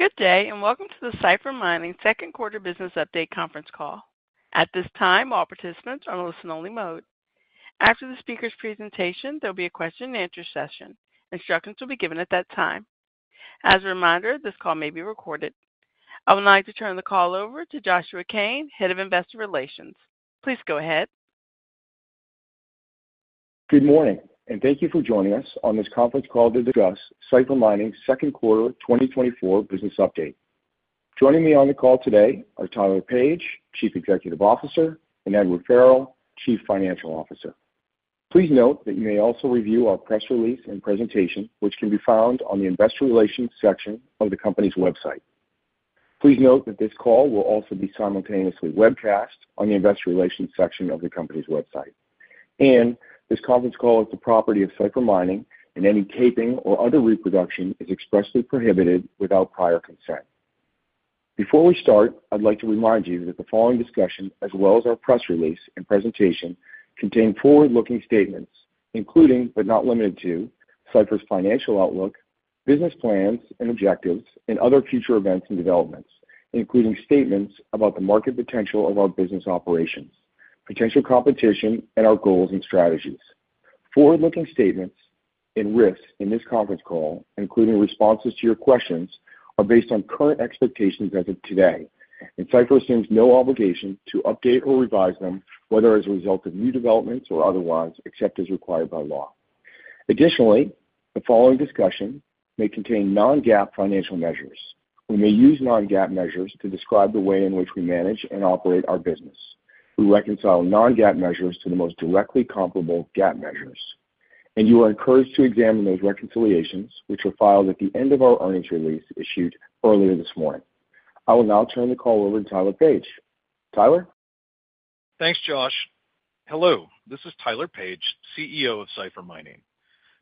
Good day and welcome to the Cipher Mining Q2 business update conference call. At this time, all participants are on listen-only mode. After the speaker's presentation, there'll be a question-and-answer session. Instructions will be given at that time. As a reminder, this call may be recorded. I would now like to turn the call over to Joshua Kane, Head of Investor Relations. Please go ahead. Good morning and thank you for joining us on this conference call to discuss Cipher Mining's Q2 2024 business update. Joining me on the call today are Tyler Page, Chief Executive Officer and Edward Farrell, Chief Financial Officer. Please note that you may also review our press release and presentation, which can be found on the investor relations section of the company's website. Please note that this call will also be simultaneously webcast on the investor relations section of the company's website. This conference call is the property of Cipher Mining and any taping or other reproduction is expressly prohibited without prior consent. Before we start, I'd like to remind you that the following discussion, as well as our press release and presentation, contain forward-looking statements, including, but not limited to, Cipher's financial outlook, business plans and objectives and other future events and developments, including statements about the market potential of our business operations, potential competition and our goals and strategies. Forward-looking statements and risks in this conference call, including responses to your questions, are based on current expectations as of today and Cipher assumes no obligation to update or revise them, whether as a result of new developments or otherwise, except as required by law. Additionally, the following discussion may contain non-GAAP financial measures. We may use non-GAAP measures to describe the way in which we manage and operate our business. We reconcile non-GAAP measures to the most directly comparable GAAP measures and you are encouraged to examine those reconciliations, which were filed at the end of our earnings release issued earlier this morning. I will now turn the call over to Tyler Page. Tyler? Thanks, Josh. Hello, this is Tyler Page, CEO of Cipher Mining.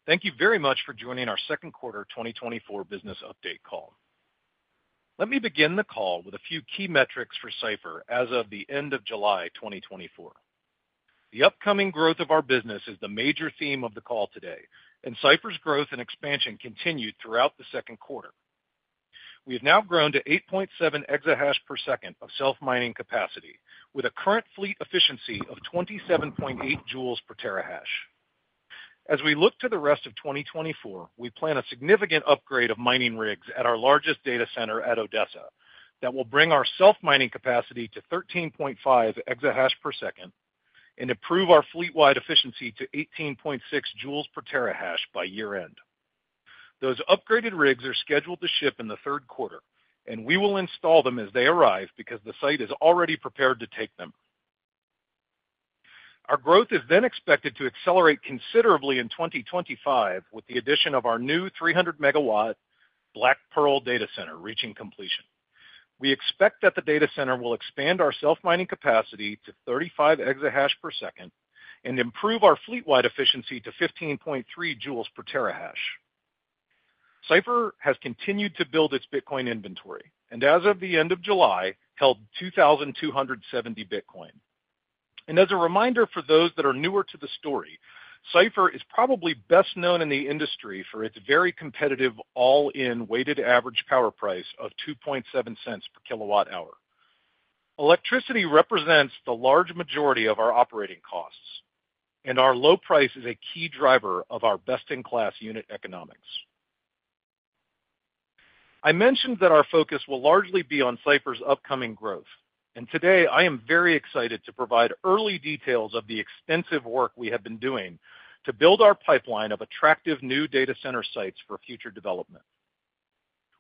Thank you very much for joining our Q2 2024 business update call. Let me begin the call with a few key metrics for Cipher as of the end of July 2024. The upcoming growth of our business is the major theme of the call today and Cipher's growth and expansion continued throughout the Q2. We have now grown to 8.7 EH/s of self-mining capacity, with a current fleet efficiency of 27.8J/TH. As we look to the rest of 2024, we plan a significant upgrade of mining rigs at our largest data center at Odessa that will bring our self-mining capacity to 13.5 exahash per second and improve our fleet-wide efficiency to 18.6 joules per terahash by year-end. Those upgraded rigs are scheduled to ship in the Q3 and we will install them as they arrive because the site is already prepared to take them. Our growth is then expected to accelerate considerably in 2025, with the addition of our new 300MW Black Pearl data center reaching completion. We expect that the data center will expand our self-mining capacity to 35 EH/s and improve our fleet-wide efficiency to 15.3 J/TH. Cipher has continued to build its Bitcoin inventory and, as of the end of July, held 2,270 Bitcoin. And as a reminder for those that are newer to the story, Cipher is probably best known in the industry for its very competitive all-in weighted average power price of 2.7 cents per kWh. Electricity represents the large majority of our operating costs and our low price is a key driver of our best-in-class unit economics. I mentioned that our focus will largely be on Cipher's upcoming growth and today I am very excited to provide early details of the extensive work we have been doing to build our pipeline of attractive new data center sites for future development.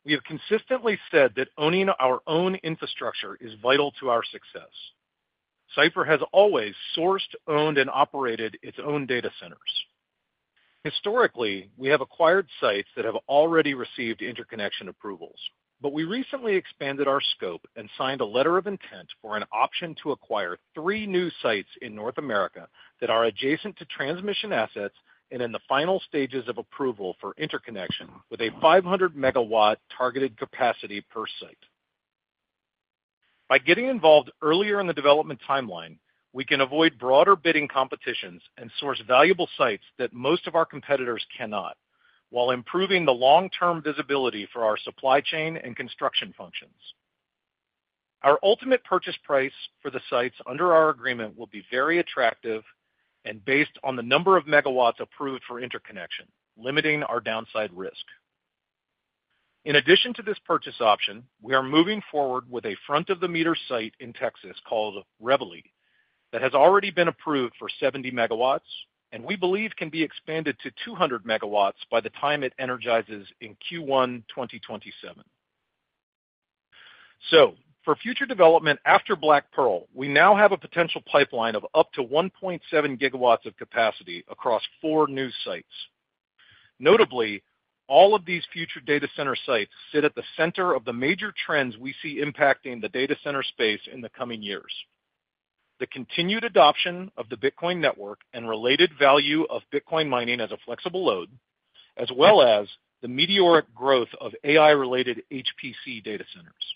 We have consistently said that owning our own infrastructure is vital to our success. Cipher has always sourced, owned and operated its own data centers. Historically, we have acquired sites that have already received interconnection approvals, but we recently expanded our scope and signed a letter of intent for an option to acquire three new sites in North America that are adjacent to transmission assets and in the final stages of approval for interconnection with a 500-MW targeted capacity per site. By getting involved earlier in the development timeline, we can avoid broader bidding competitions and source valuable sites that most of our competitors cannot, while improving the long-term visibility for our supply chain and construction functions. Our ultimate purchase price for the sites under our agreement will be very attractive and based on the number of megawatts approved for interconnection, limiting our downside risk. In addition to this purchase option, we are moving forward with a front-of-the-meter site in Texas called Reveille that has already been approved for 70 MW and we believe can be expanded to 200 MW by the time it energizes in Q1 2027. So for future development after Black Pearl, we now have a potential pipeline of up to 1.7 GW of capacity across four new sites. Notably, all of these future data center sites sit at the center of the major trends we see impacting the data center space in the coming years. The continued adoption of the Bitcoin network and related value of Bitcoin mining as a flexible load, as well as the meteoric growth of AI-related HPC data centers.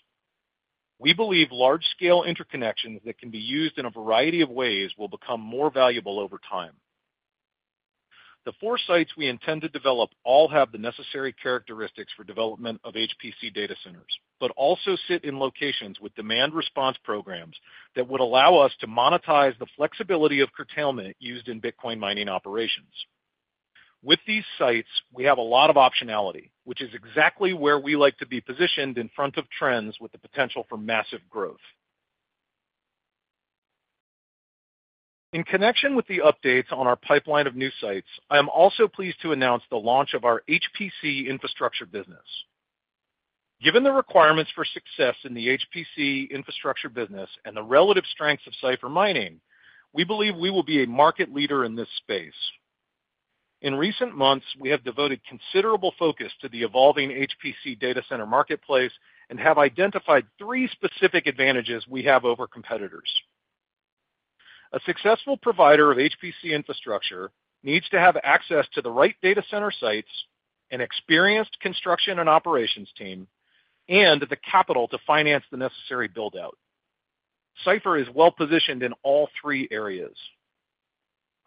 We believe large-scale interconnections that can be used in a variety of ways will become more valuable over time, The 4 sites we intend to develop all have the necessary characteristics for development of HPC data centers, but also sit in locations with demand response programs that would allow us to monetize the flexibility of curtailment used in Bitcoin mining operations. With these sites, we have a lot of optionality, which is exactly where we like to be positioned in front of trends with the potential for massive growth. In connection with the updates on our pipeline of new sites, I am also pleased to announce the launch of our HPC infrastructure business. Given the requirements for success in the HPC infrastructure business and the relative strengths of Cipher Mining, we believe we will be a market leader in this space. In recent months, we have devoted considerable focus to the evolving HPC data center marketplace and have identified three specific advantages we have over competitors. A successful provider of HPC infrastructure needs to have access to the right data center sites, an experienced construction and operations team and the capital to finance the necessary build-out. Cipher is well-positioned in all three areas.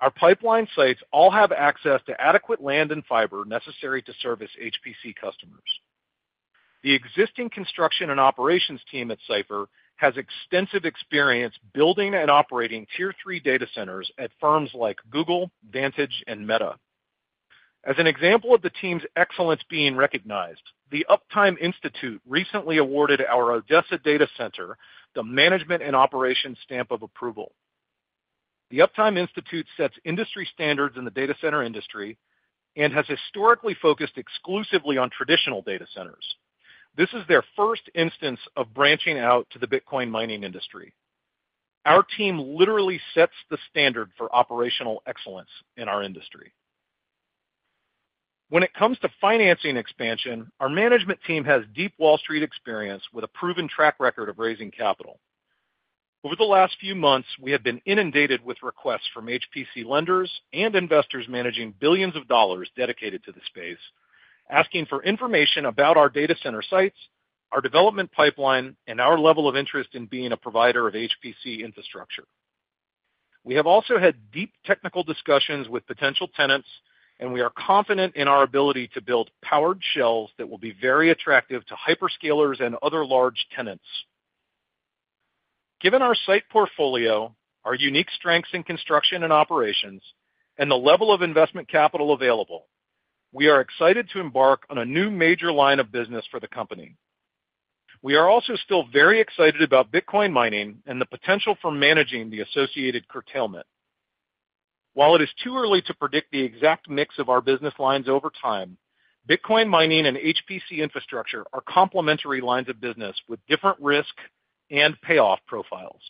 Our pipeline sites all have access to adequate land and fiber necessary to service HPC customers. The existing construction and operations team at Cipher has extensive experience building and operating Tier III data centers at firms like Google, Vantage and Meta. As an example of the team's excellence being recognized, the Uptime Institute recently awarded our Odessa data center the Management and Operations stamp of approval. The Uptime Institute sets industry standards in the data center industry and has historically focused exclusively on traditional data centers. This is their first instance of branching out to the Bitcoin mining industry. Our team literally sets the standard for operational excellence in our industry. When it comes to financing expansion, our management team has deep Wall Street experience with a proven track record of raising capital. Over the last few months, we have been inundated with requests from HPC lenders and investors managing billions of dollars dedicated to the space, asking for information about our data center sites, our development pipeline and our level of interest in being a provider of HPC infrastructure. We have also had deep technical discussions with potential tenants and we are confident in our ability to build powered shells that will be very attractive to hyperscalers and other large tenants. Given our site portfolio, our unique strengths in construction and operations and the level of investment capital available, we are excited to embark on a new major line of business for the company. We are also still very excited about Bitcoin mining and the potential for managing the associated curtailment. While it is too early to predict the exact mix of our business lines over time, Bitcoin mining and HPC infrastructure are complementary lines of business with different risk and payoff profiles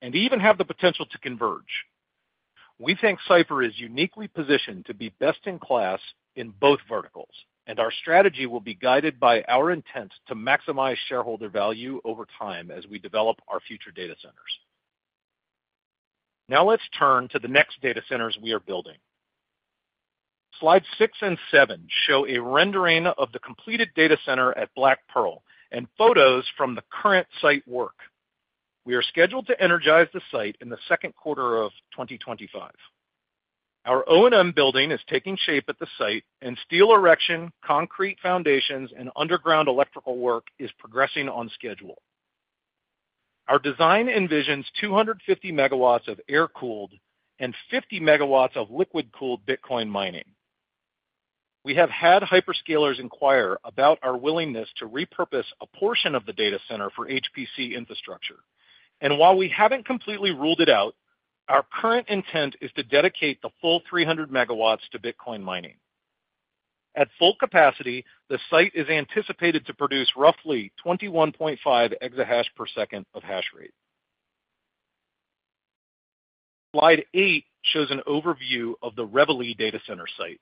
and even have the potential to converge. We think Cipher is uniquely positioned to be best-in-class in both verticals and our strategy will be guided by our intent to maximize shareholder value over time as we develop our future data centers. Now let's turn to the next data centers we are building. Slide 6 and 7 show a rendering of the completed data center at Black Pearl and photos from the current site work. We are scheduled to energize the site in the Q2 of 2025. Our O&M building is taking shape at the site and steel erection, concrete foundations and underground electrical work is progressing on schedule. Our design envisions 250 MW of air-cooled and 50 MW of liquid-cooled Bitcoin mining. We have had hyperscalers inquire about our willingness to repurpose a portion of the data center for HPC infrastructure and while we haven't completely ruled it out, our current intent is to dedicate the full 300 MW to Bitcoin mining. At full capacity, the site is anticipated to produce roughly 21.5 EH/s of hash rate. Slide 8 shows an overview of the Reveille data center site.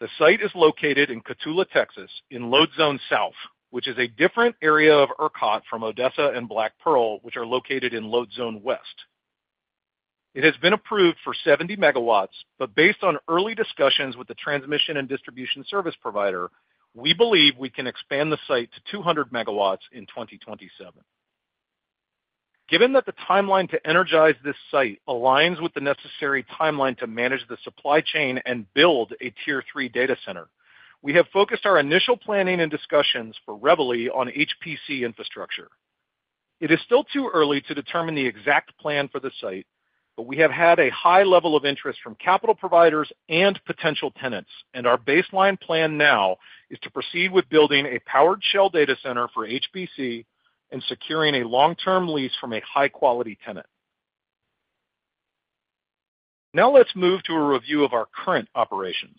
The site is located in Cotulla, Texas, in Load Zone South, which is a different area of ERCOT from Odessa and Black Pearl, which are located in Load Zone West. It has been approved for 70 MW, but based on early discussions with the transmission and distribution service provider, we believe we can expand the site to 200 MW in 2027. Given that the timeline to energize this site aligns with the necessary timeline to manage the supply chain and build a Tier III data center, we have focused our initial planning and discussions for Reveille on HPC infrastructure. It is still too early to determine the exact plan for the site, but we have had a high level of interest from capital providers and potential tenants and our baseline plan now is to proceed with building a powered shell data center for HPC and securing a long-term lease from a high-quality tenant. Now let's move to a review of our current operations.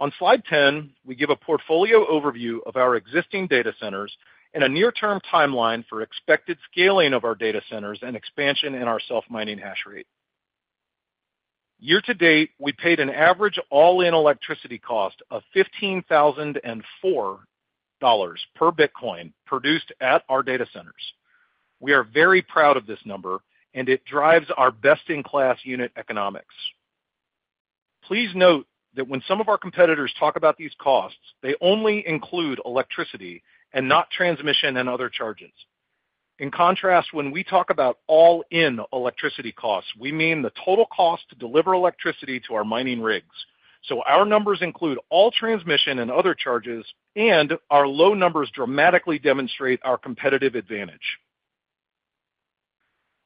On slide 10, we give a portfolio overview of our existing data centers and a near-term timeline for expected scaling of our data centers and expansion in our self-mining hash rate. Year to date, we paid an average all-in electricity cost of $15,004 per Bitcoin produced at our data centers. We are very proud of this number and it drives our best-in-class unit economics. Please note that when some of our competitors talk about these costs, they only include electricity and not transmission and other charges. In contrast, when we talk about all-in electricity costs, we mean the total cost to deliver electricity to our mining rigs. So our numbers include all transmission and other charges and our low numbers dramatically demonstrate our competitive advantage.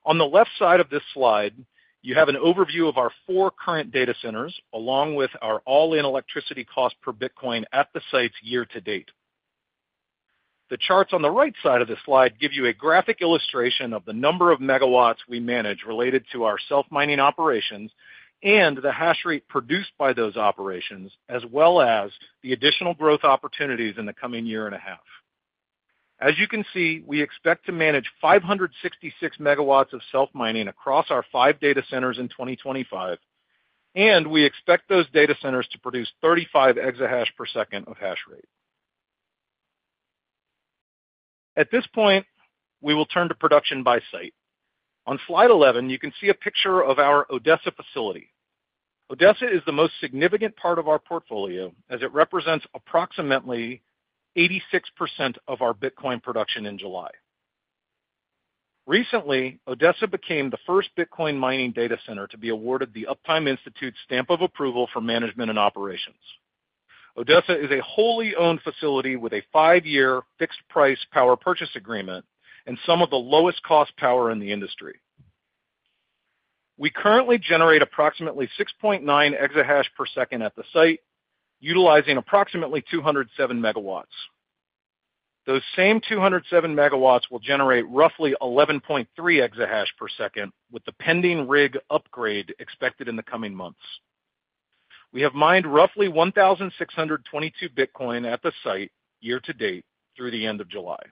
On the left side of this slide, you have an overview of our four current data centers, along with our all-in electricity cost per Bitcoin at the sites year to date. The charts on the right side of this slide give you a graphic illustration of the number of megawatts we manage related to our self-mining operations and the hash rate produced by those operations, as well as the additional growth opportunities in the coming year and a half. As you can see, we expect to manage 566 MW of self-mining across our five data centers in 2025 and we expect those data centers to produce 35 exahash per second of hash rate. At this point, we will turn to production by site. On slide 11, you can see a picture of our Odessa facility. Odessa is the most significant part of our portfolio, as it represents approximately 86% of our Bitcoin production in July. Recently, Odessa became the first Bitcoin mining data center to be awarded the Uptime Institute's stamp of approval for management and operations. Odessa is a wholly owned facility with a five-year fixed price power purchase agreement and some of the lowest-cost power in the industry. We currently generate approximately 6.9 exahash per second at the site, utilizing approximately 207MW. Those same 207 megawatts will generate roughly 11.3 exahash per second, with the pending rig upgrade expected in the coming months. We have mined roughly 1,622 Bitcoin at the site year to date through the end of July.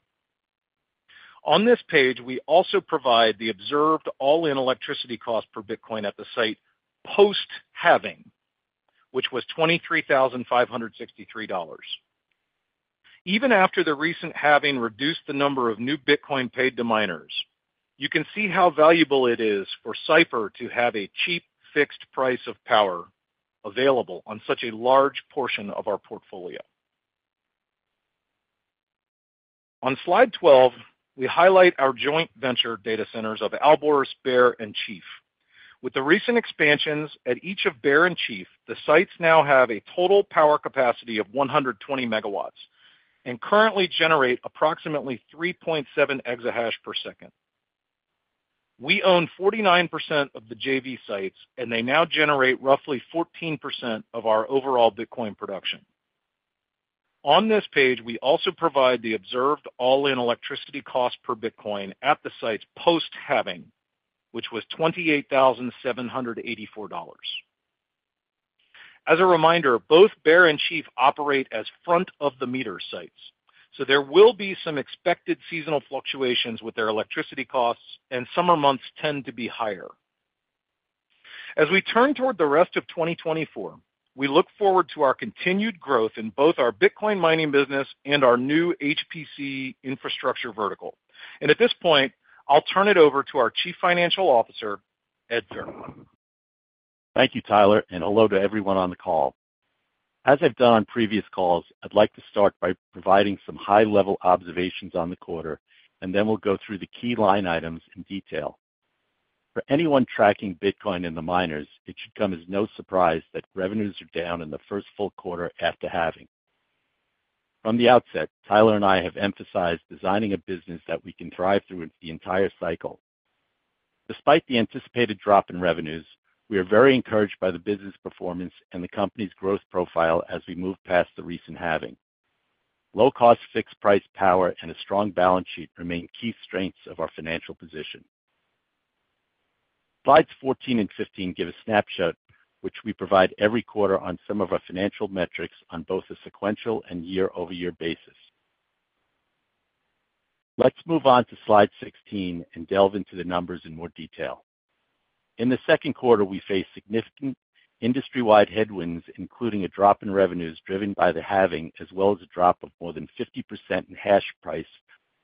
On this page, we also provide the observed all-in electricity cost per Bitcoin at the site post-halving, which was $23,563. Even after the recent halving reduced the number of new Bitcoin paid to miners, you can see how valuable it is for Cipher to have a cheap, fixed price of power available on such a large portion of our portfolio. On slide 12, we highlight our joint venture data centers of Alborz, Bear and Chief. With the recent expansions at each of Bear and Chief, the sites now have a total power capacity of 120 MW and currently generate approximately 3.7 EH/s. We own 49% of the JV sites and they now generate roughly 14% of our overall Bitcoin production. On this page, we also provide the observed all-in electricity cost per Bitcoin at the site's post-halving, which was $28,784. As a reminder, both Bear and Chief operate as front-of-the-meter sites, so there will be some expected seasonal fluctuations with their electricity costs and summer months tend to be higher. As we turn toward the rest of 2024, we look forward to our continued growth in both our Bitcoin mining business and our new HPC infrastructure vertical. At this point, I'll turn it over to our Chief Financial Officer, Ed Farrell. Thank you, Tyler and hello to everyone on the call. As I've done on previous calls, I'd like to start by providing some high-level observations on the quarter and then we'll go through the key line items in detail. For anyone tracking Bitcoin and the miners, it should come as no surprise that revenues are down in the first full quarter after halving. From the outset, Tyler and I have emphasized designing a business that we can thrive through the entire cycle. Despite the anticipated drop in revenues, we are very encouraged by the business performance and the company's growth profile as we move past the recent halving. Low-cost, fixed-price power and a strong balance sheet remain key strengths of our financial position. Slides 14 and 15 give a snapshot, which we provide every quarter on some of our financial metrics on both a sequential and year-over-year basis. Let's move on to slide 16 and delve into the numbers in more detail. In the Q2, we faced significant industry-wide headwinds, including a drop in revenues driven by the halving, as well as a drop of more than 50% in hash price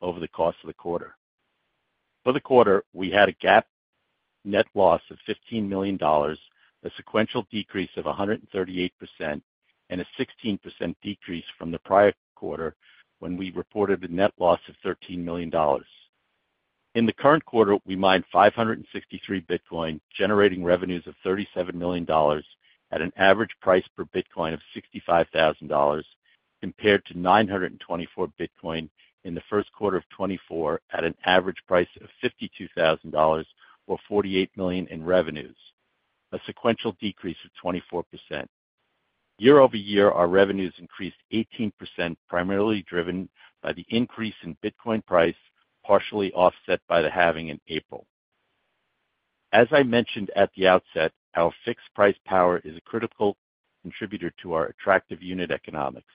over the course of the quarter. For the quarter, we had a GAAP net loss of $15 million, a sequential decrease of 138% and a 16% decrease from the prior quarter, when we reported a net loss of $13 million. In the current quarter, we mined 563 Bitcoin, generating revenues of $37 million at an average price per Bitcoin of $65,000, compared to 924 Bitcoin in the Q1 of 2024 at an average price of $52,000 or $48 million in revenues, a sequential decrease of 24%. Year over year, our revenues increased 18%, primarily driven by the increase in Bitcoin price, partially offset by the halving in April. As I mentioned at the outset, our fixed-price power is a critical contributor to our attractive unit economics.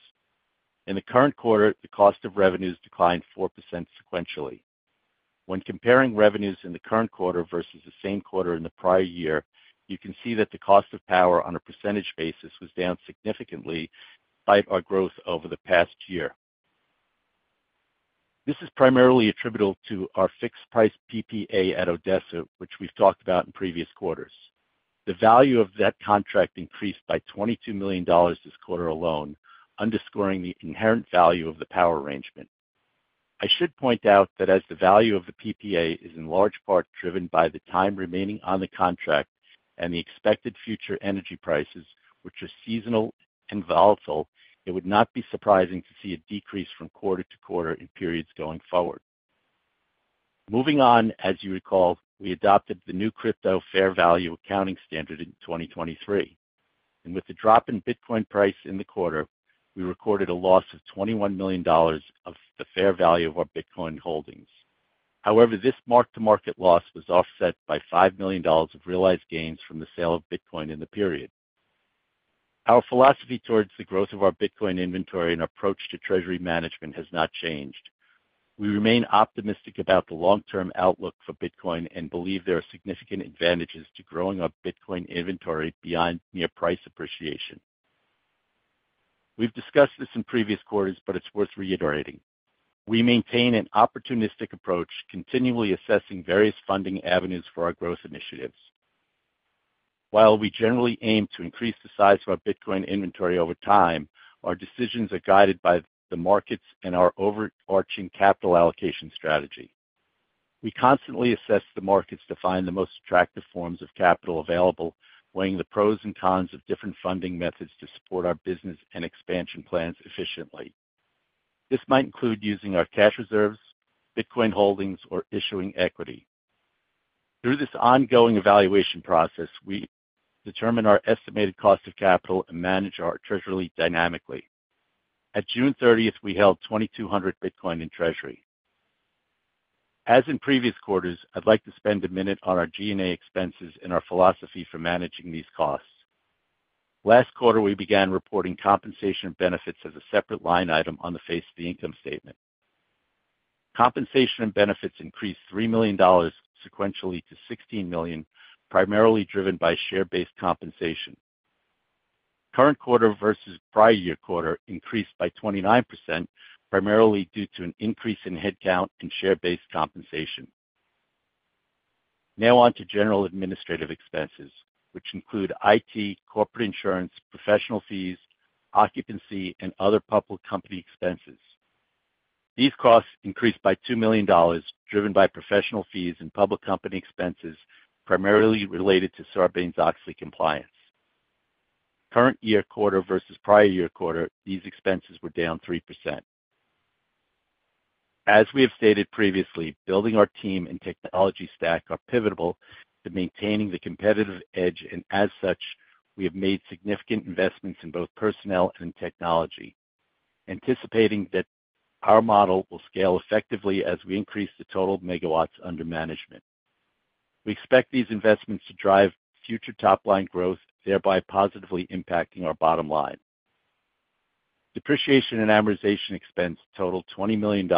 In the current quarter, the cost of revenues declined 4% sequentially. When comparing revenues in the current quarter versus the same quarter in the prior year, you can see that the cost of power on a percentage basis was down significantly by our growth over the past year. This is primarily attributable to our fixed price PPA at Odessa, which we've talked about in previous quarters. The value of that contract increased by $22 million this quarter alone, underscoring the inherent value of the power arrangement. I should point out that as the value of the PPA is in large part driven by the time remaining on the contract and the expected future energy prices, which are seasonal and volatile, it would not be surprising to see a decrease from quarter to quarter in periods going forward. Moving on, as you recall, we adopted the new crypto fair value accounting standard in 2023 and with the drop in Bitcoin price in the quarter, we recorded a loss of $21 million of the fair value of our Bitcoin holdings. However, this mark-to-market loss was offset by $5 million of realized gains from the sale of Bitcoin in the period. Our philosophy towards the growth of our Bitcoin inventory and approach to treasury management has not changed. We remain optimistic about the long-term outlook for Bitcoin and believe there are significant advantages to growing our Bitcoin inventory beyond near price appreciation. We've discussed this in previous quarters, but it's worth reiterating. We maintain an opportunistic approach, continually assessing various funding avenues for our growth initiatives. While we generally aim to increase the size of our Bitcoin inventory over time, our decisions are guided by the markets and our overarching capital allocation strategy. We constantly assess the markets to find the most attractive forms of capital available, weighing the pros and cons of different funding methods to support our business and expansion plans efficiently. This might include using our cash reserves, Bitcoin holdings, or issuing equity. Through this ongoing evaluation process, we determine our estimated cost of capital and manage our treasury dynamically. At June thirtieth, we held 2,200 Bitcoin in treasury. As in previous quarters, I'd like to spend a minute on our G&A expenses and our philosophy for managing these costs. Last quarter, we began reporting compensation benefits as a separate line item on the face of the income statement. Compensation and benefits increased $3 million sequentially to $16 million, primarily driven by share-based compensation. Current quarter versus prior year quarter increased by 29%, primarily due to an increase in headcount and share-based compensation. Now on to general administrative expenses, which include IT, corporate insurance, professional fees, occupancy and other public company expenses. These costs increased by $2 million, driven by professional fees and public company expenses, primarily related to Sarbanes-Oxley compliance. Current year quarter versus prior year quarter, these expenses were down 3%. As we have stated previously, building our team and technology stack are pivotable to maintaining the competitive edge and as such, we have made significant investments in both personnel and technology, anticipating that our model will scale effectively as we increase the total megawatts under management. We expect these investments to drive future top-line growth, thereby positively impacting our bottom line. Depreciation and amortization expense totaled $20 million,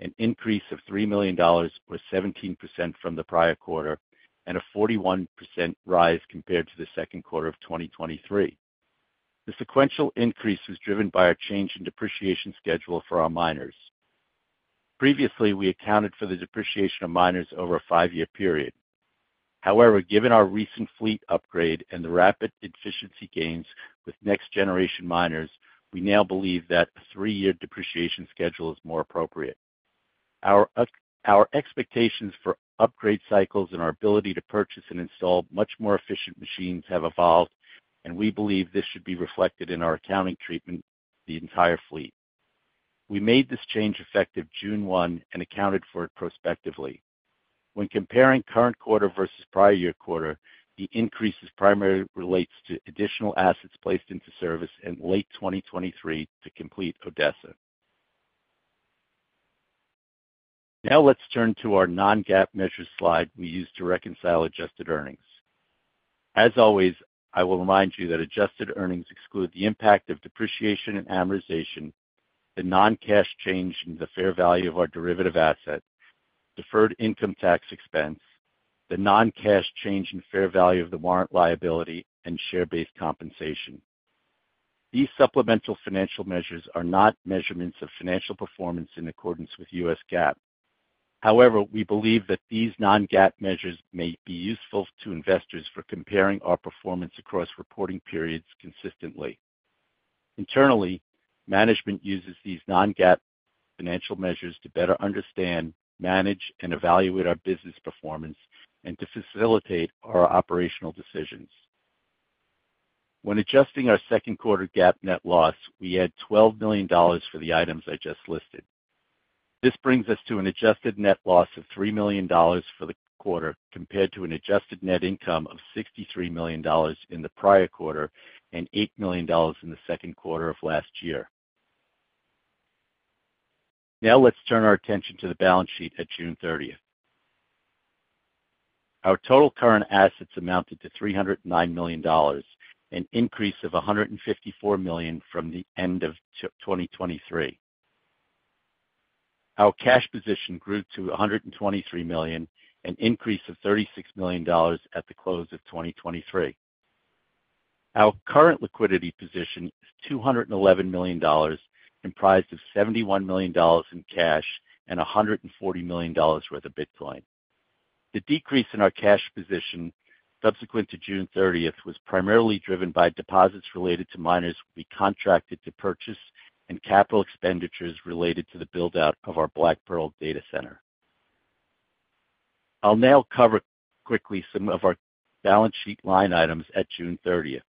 an increase of $3 million, or 17% from the prior quarter and a 41% rise compared to the Q2 of 2023. The sequential increase was driven by a change in depreciation schedule for our miners. Previously, we accounted for the depreciation of miners over a 5-year period. However, given our recent fleet upgrade and the rapid efficiency gains with next-generation miners, we now believe that a 3-year depreciation schedule is more appropriate. Our expectations for upgrade cycles and our ability to purchase and install much more efficient machines have evolved and we believe this should be reflected in our accounting treatment the entire fleet. We made this change effective June 1 and accounted for it prospectively. When comparing current quarter versus prior-year quarter, the increases primarily relates to additional assets placed into service in late 2023 to complete Odessa. Now let's turn to our non-GAAP measure slide we use to reconcile adjusted earnings. As always, I will remind you that adjusted earnings exclude the impact of depreciation and amortization, the non-cash change in the fair value of our derivative assets, deferred income tax expense, the non-cash change in fair value of the warrant liability and share-based compensation. These supplemental financial measures are not measurements of financial performance in accordance with U.S. GAAP. However, we believe that these non-GAAP measures may be useful to investors for comparing our performance across reporting periods consistently. Internally, management uses these non-GAAP financial measures to better understand, manage and evaluate our business performance and to facilitate our operational decisions. When adjusting our Q2 GAAP net loss, we add $12 million for the items I just listed. This brings us to an adjusted net loss of $3 million for the quarter, compared to an adjusted net income of $63 million in the prior quarter and $8 million in the Q2 of last year. Now, let's turn our attention to the balance sheet at June 30. Our total current assets amounted to $309 million, an increase of $154 million from the end of 2023. Our cash position grew to $123 million, an increase of $36 million at the close of 2023. Our current liquidity position is $211 million, comprised of $71 million in cash and $140 million worth of Bitcoin. The decrease in our cash position subsequent to June 30, was primarily driven by deposits related to miners we contracted to purchase and capital expenditures related to the build-out of our Black Pearl data center. I'll now cover quickly some of our balance sheet line items at June 30.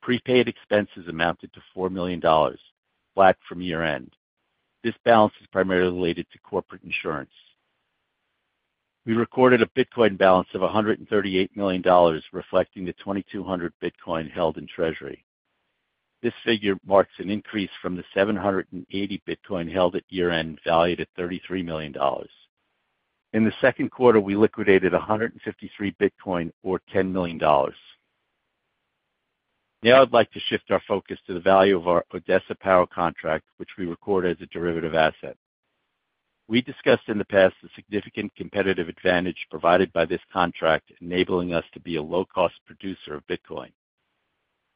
Prepaid expenses amounted to $4 million, flat from year-end. This balance is primarily related to corporate insurance. We recorded a Bitcoin balance of $138 million, reflecting the 2,200 Bitcoin held in treasury. This figure marks an increase from the 780 Bitcoin held at year-end, valued at $33 million. In the Q2, we liquidated 153 Bitcoin or $10 million. Now, I'd like to shift our focus to the value of our Odessa power contract, which we record as a derivative asset. We discussed in the past the significant competitive advantage provided by this contract, enabling us to be a low-cost producer of Bitcoin.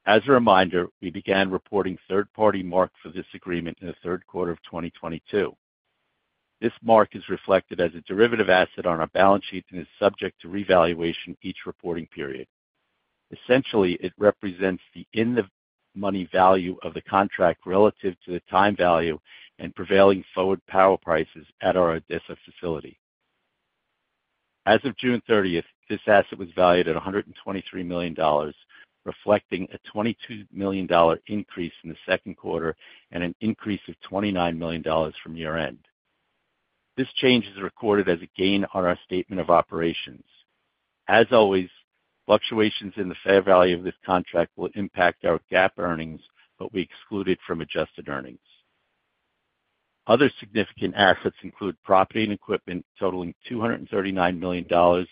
As a reminder, we began reporting third-party marks for this agreement in the Q3 of 2022. This mark is reflected as a derivative asset on our balance sheet and is subject to revaluation each reporting period. Essentially, it represents the in-the-money value of the contract relative to the time value and prevailing forward power prices at our Odessa facility. As of June 30th, this asset was valued at $123 million, reflecting a $22 million increase in the Q2 and an increase of $29 million from year-end. This change is recorded as a gain on our statement of operations. As always, fluctuations in the fair value of this contract will impact our GAAP earnings, but we exclude it from adjusted earnings. Other significant assets include property and equipment totaling $239 million,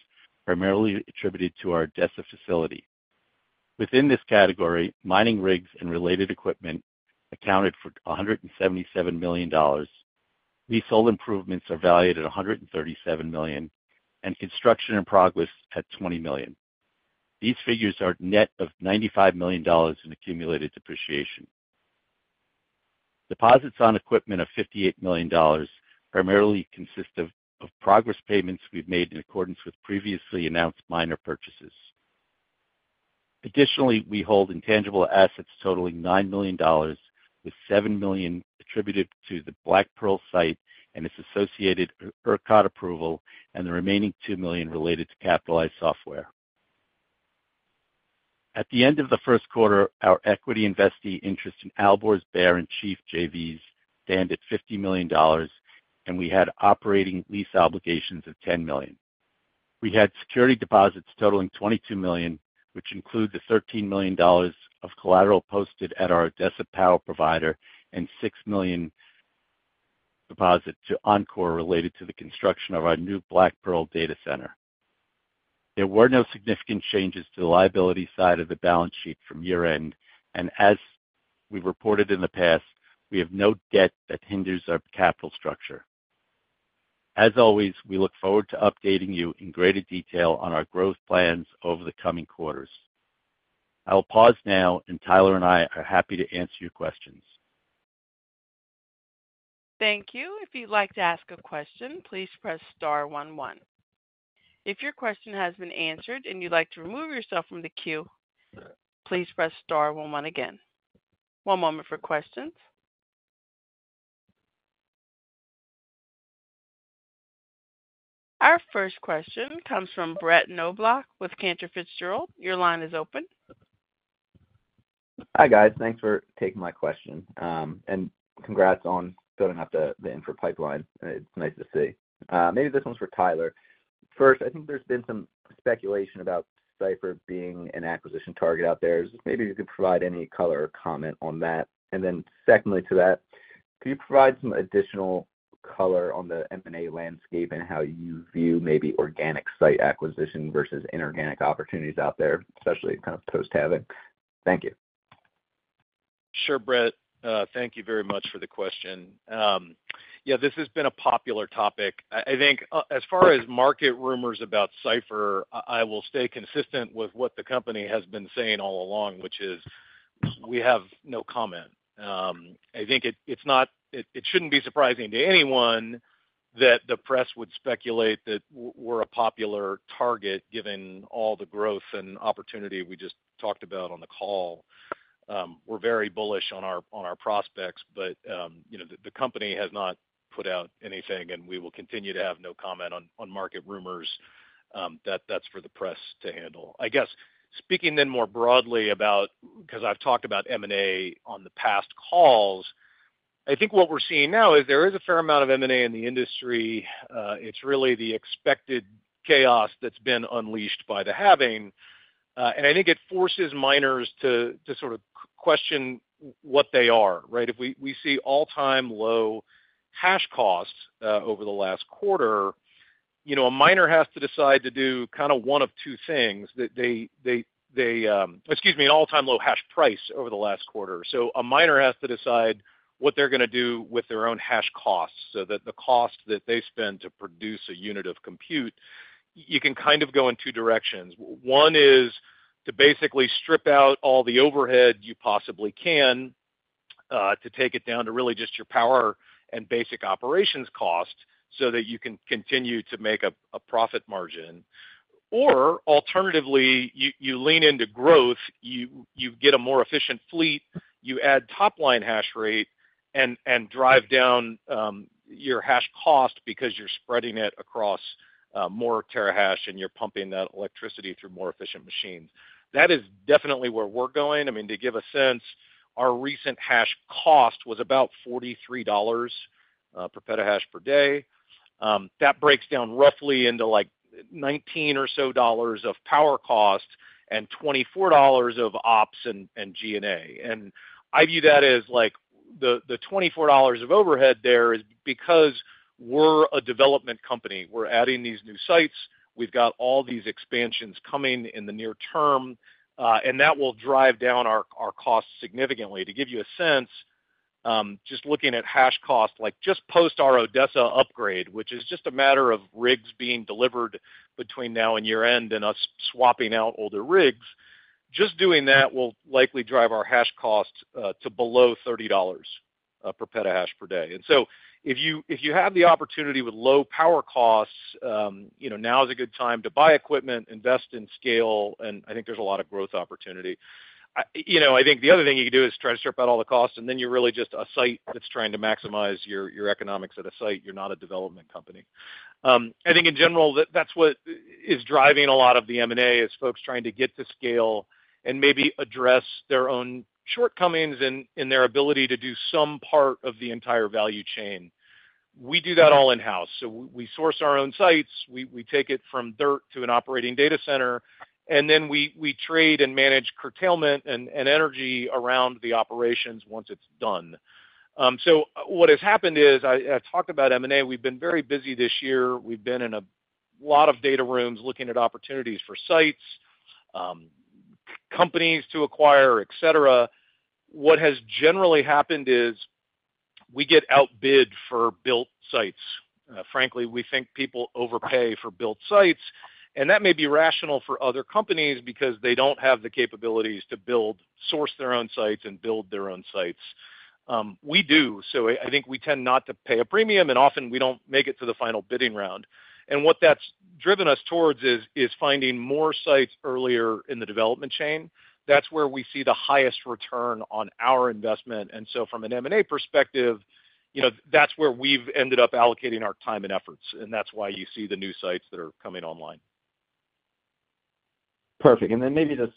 primarily attributed to our Odessa facility. Within this category, mining rigs and related equipment accounted for $177 million. Leasehold improvements are valued at $137 million and construction in progress at $20 million. These figures are net of $95 million in accumulated depreciation. Deposits on equipment of $58 million primarily consist of progress payments we've made in accordance with previously announced miner purchases. Additionally, we hold intangible assets totaling $9 million, with $7 million attributed to the Black Pearl site and its associated ERCOT approval and the remaining $2 million related to capitalized software. At the end of the Q1, our equity investee interest in Alborz, Bear and Chief JVs stand at $50 million and we had operating lease obligations of $10 million. We had security deposits totaling $22 million, which include the $13 million of collateral posted at our Odessa power provider and $6 million deposit to Oncor related to the construction of our new Black Pearl data center. There were no significant changes to the liability side of the balance sheet from year-end and as we've reported in the past, we have no debt that hinders our capital structure. As always, we look forward to updating you in greater detail on our growth plans over the coming quarters. I will pause now and Tyler and I are happy to answer your questions. Thank you. If you'd like to ask a question, please press star one, one. If your question has been answered and you'd like to remove yourself from the queue, please press star one, one again. One moment for questions. Our first question comes from Brett Knoblauch with Cantor Fitzgerald. Your line is open. Hi, guys. Thanks for taking my question. And congrats on building up the, the infra pipeline. It's nice to see. Maybe this one's for Tyler. First, I think there's been some speculation about Cipher being an acquisition target out there. Maybe you could provide any color or comment on that. And then secondly to that, could you provide some additional color on the M&A landscape and how you view maybe organic site acquisition versus inorganic opportunities out there, especially kind of post-halving? Thank you. Sure, Brett, thank you very much for the question. this has been a popular topic. I think, as far as market rumors about Cipher, I will stay consistent with what the company has been saying all along, which is we have no comment. I think it's not—it shouldn't be surprising to anyone that the press would speculate that we're a popular target, given all the growth and opportunity we just talked about on the call. We're very bullish on our prospects, but, you know, the company has not put out anything and we will continue to have no comment on market rumors. That's for the press to handle. I guess, speaking then more broadly about Because I've talked about M&A on the past calls, I think what we're seeing now is there is a fair amount of M&A in the industry. It's really the expected chaos that's been unleashed by the halving. And I think it forces miners to sort of question what they are, right? If we see all-time low hash costs over the last quarter, you know, a miner has to decide to do kind of one of two things, an all-time low hash price over the last quarter. So a miner has to decide what they're gonna do with their own hash costs, so that the cost that they spend to produce a unit of compute, you can kind of go in two directions. One is to basically strip out all the overhead you possibly can, to take it down to really just your power and basic operations cost, so that you can continue to make a profit margin. Or alternatively, you lean into growth, you get a more efficient fleet, you add top line hash rate and drive down your hash cost because you're spreading it across more terahash and you're pumping that electricity through more efficient machines. That is definitely where we're going. I mean, to give a sense, our recent hash cost was about $43 per petahash per day. That breaks down roughly into, like, $19 or so of power cost and $24 of ops and G&A. And I view that as, like, the $24 of overhead there is because we're a development company. We're adding these new sites. We've got all these expansions coming in the near term and that will drive down our, our costs significantly. To give you a sense, just looking at hash cost, like just post our Odessa upgrade, which is just a matter of rigs being delivered between now and year-end and us swapping out older rigs, just doing that will likely drive our hash costs to below $30 per petahash per day. And so if you, if you have the opportunity with low power costs, you know, now is a good time to buy equipment, invest in scale and I think there's a lot of growth opportunity. You know, I think the other thing you can do is try to strip out all the costs and then you're really just a site that's trying to maximize your, your economics at a site. You're not a development company. I think in general, that's what is driving a lot of the M&A, is folks trying to get to scale and maybe address their own shortcomings in, in their ability to do some part of the entire value chain. We do that all in-house, so we source our own sites, we, we take it from dirt to an operating data center and then we, we trade and manage curtailment and and energy around the operations once it's done. So what has happened is, I talked about M&A. We've been very busy this year. We've been in a lot of data rooms looking at opportunities for sites, companies to acquire, et cetera. Frankly, we think people overpay for built sites and that may be rational for other companies because they don't have the capabilities to build, source their own sites and build their own sites. We do, so I think we tend not to pay a premium and often we don't make it to the final bidding round. And what that's driven us towards is finding more sites earlier in the development chain. That's where we see the highest return on our investment. And so from an M&A perspective, you know, that's where we've ended up allocating our time and efforts and that's why you see the new sites that are coming online. Perfect and then maybe just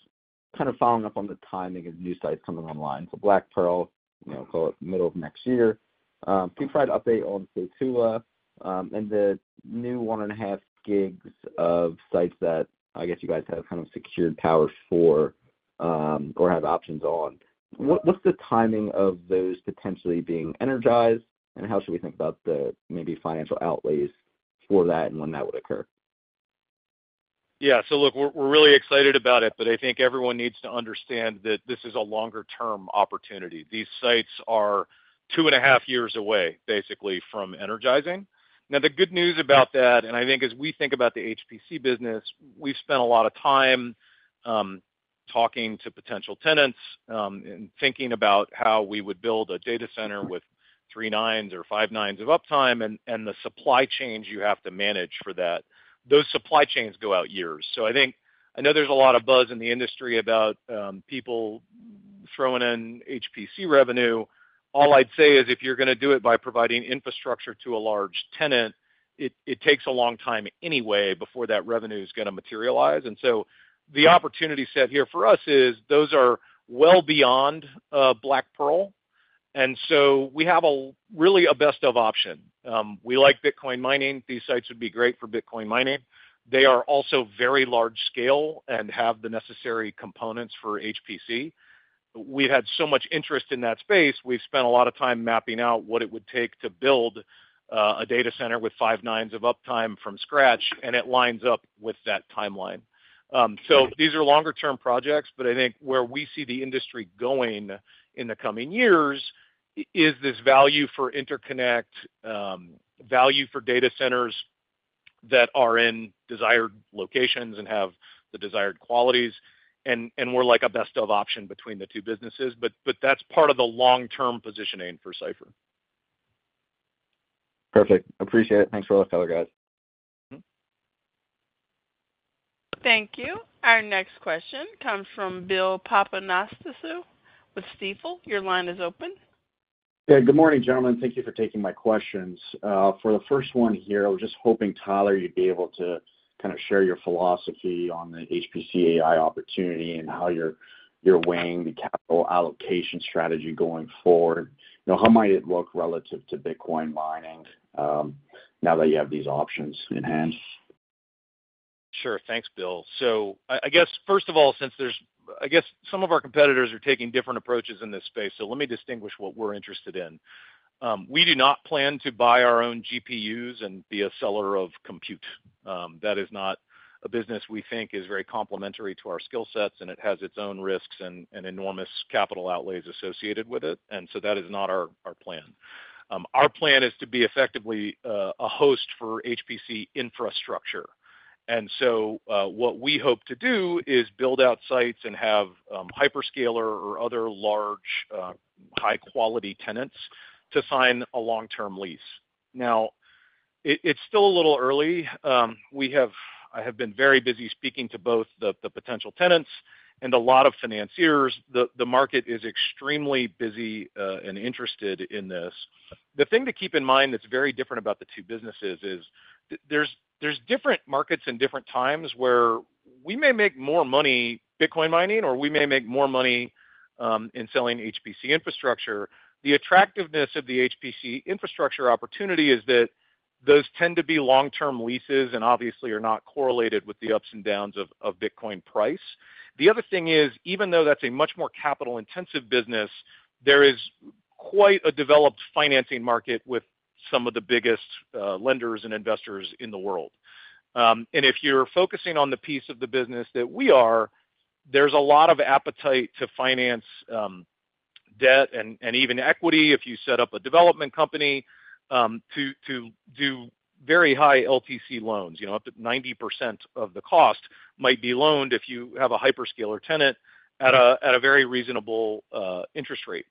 kind of following up on the timing of new sites coming online. So Black Pearl, you know, call it middle of next year. Can you provide an update on Cotulla and the new 1.5 GW of sites that I guess you guys have kind of secured power for, or have options on? What, what's the timing of those potentially being energized and how should we think about the maybe financial outlays for that and when that would occur? So look, we're, we're really excited about it, but I think everyone needs to understand that this is a longer term opportunity. These sites are 2.5 years away, basically, from energizing. Now, the good news about that and I think as we think about the HPC business, we've spent a lot of time talking to potential tenants and thinking about how we would build a data center with three nines or five nines of uptime and and the supply chains you have to manage for that. Those supply chains go out years. So, I think i know there's a lot of buzz in the industry about people throwing in HPC revenue. All I'd say is, if you're gonna do it by providing infrastructure to a large tenant, it, it takes a long time anyway before that revenue is gonna materialize. And so the opportunity set here for us is those are well beyond Black Pearl and so we have a really a best of option. We like Bitcoin mining. These sites would be great for Bitcoin mining. They are also very large scale and have the necessary components for HPC. We've had so much interest in that space, we've spent a lot of time mapping out what it would take to build a data center with five nines of uptime from scratch and it lines up with that timeline. So these are longer term projects, but I think where we see the industry going in the coming years is this value for interconnect, value for data centers that are in desired locations and have the desired and and we're like a best of option between the two businesses. But that's part of the long-term positioning for Cipher. Perfect. Appreciate it. Thanks for all the color, guys. Thank you. Our next question comes from Bill Papanastasiou with Stifel. Your line is open. good morning, gentlemen. Thank you for taking my questions. For the first one here, I was just hoping, Tyler, you'd be able to kind of share your philosophy on the HPC/AI opportunity and how you're, you're weighing the capital allocation strategy going forward. You know, how might it look relative to Bitcoin mining, now that you have these options enhanced? Sure. Thanks, Bill. So I guess first of all, since there's I guess some of our competitors are taking different approaches in this space, so let me distinguish what we're interested in. We do not plan to buy our own GPUs and be a seller of compute. That is not a business we think is very complementary to our skill sets and it has its own risks and enormous capital outlays associated with it and so that is not our plan. Our plan is to be effectively a host for HPC infrastructure. And so, what we hope to do is build out sites and have hyperscaler or other large high-quality tenants to sign a long-term lease. Now, it's still a little early. I have been very busy speaking to both the potential tenants and a lot of financiers. The market is extremely busy and interested in this. The thing to keep in mind that's very different about the two businesses is there's different markets and different times where we may make more money Bitcoin mining, or we may make more money in selling HPC infrastructure. The attractiveness of the HPC infrastructure opportunity is that those tend to be long-term leases and obviously are not correlated with the ups and downs of Bitcoin price. The other thing is, even though that's a much more capital-intensive business, there is quite a developed financing market with some of the biggest lenders and investors in the world. And if you're focusing on the piece of the business that we are, there's a lot of appetite to finance debt and even equity if you set up a development company to do very high LTC loans, you know, up to 90% of the cost might be loaned if you have a hyperscaler tenant at a very reasonable interest rate.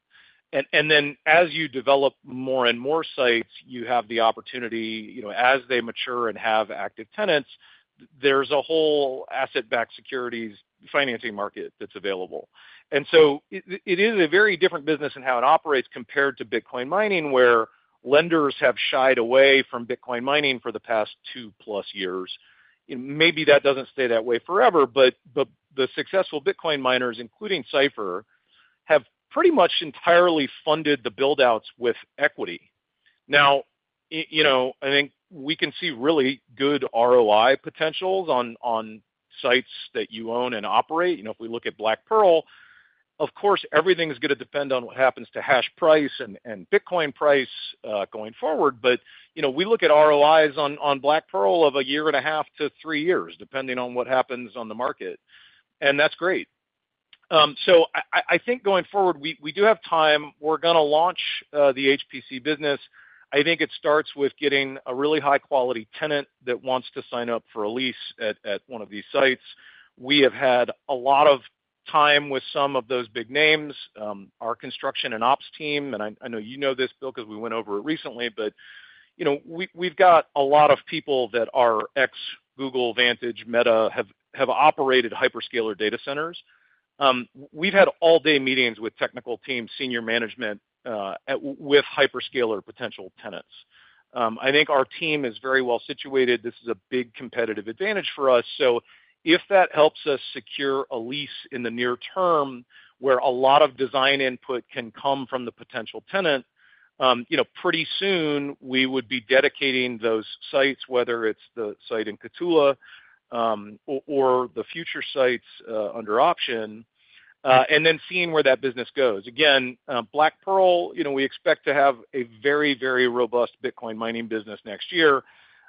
And then as you develop more and more sites, you have the opportunity, you know, as they mature and have active tenants, there's a whole asset-backed securities financing market that's available. And so it is a very different business in how it operates compared to Bitcoin mining, where lenders have shied away from Bitcoin mining for the past 2+ years. And maybe that doesn't stay that way forever, but the successful Bitcoin miners, including Cipher, have pretty much entirely funded the build-outs with equity. Now, you know, I think we can see really good ROI potentials on sites that you own and operate. You know, if we look at Black Pearl, of course, everything is gonna depend on what happens to hash price and Bitcoin price going forward. But, you know, we look at ROIs on Black Pearl of a year and a half to 3 years, depending on what happens on the market and that's great. So I think going forward, we do have time. We're gonna launch the HPC business. I think it starts with getting a really high-quality tenant that wants to sign up for a lease at one of these sites. We have had a lot of time with some of those big names, our construction and ops team and I know you know this, Bill, because we went over it recently, but, you know, we've got a lot of people that are ex-Google, Vantage, Meta, have operated hyperscaler data centers. We've had all-day meetings with technical teams, senior management, with hyperscaler potential tenants. I think our team is very well situated. This is a big competitive advantage for us. So if that helps us secure a lease in the near term, where a lot of design input can come from the potential tenant, you know, pretty soon we would be dedicating those sites, whether it's the site in Cotulla, or the future sites, under option and then seeing where that business goes. Again, Black Pearl, you know, we expect to have a very, very robust Bitcoin mining business next year.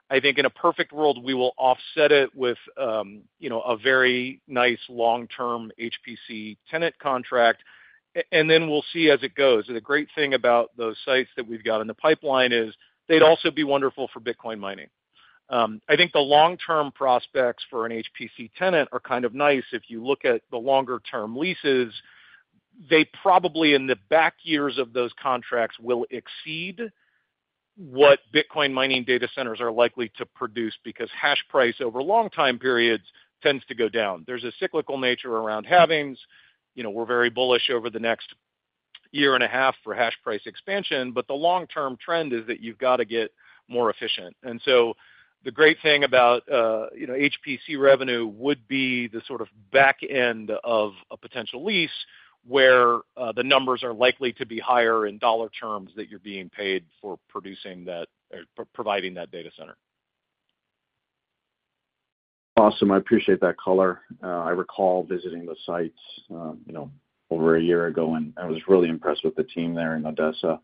I think in a perfect world, we will offset it with, you know, a very nice long-term HPC tenant contract and then we'll see as it goes. And the great thing about those sites that we've got in the pipeline is they'd also be wonderful for Bitcoin mining. I think the long-term prospects for an HPC tenant are kind of nice. If you look at the longer term leases, they probably, in the back years of those contracts, will exceed what Bitcoin mining data centers are likely to produce, because hash price over long time periods tends to go down. There's a cyclical nature around halvings. You know, we're very bullish over the next year and a half for hash price expansion, but the long-term trend is that you've got to get more efficient. And so the great thing about, you know, HPC revenue would be the sort of back end of a potential lease, where the numbers are likely to be higher in dollar terms that you're being paid for producing that, providing that data center. Awesome. I appreciate that color. I recall visiting the sites, you know, over a year ago and I was really impressed with the team there in Odessa.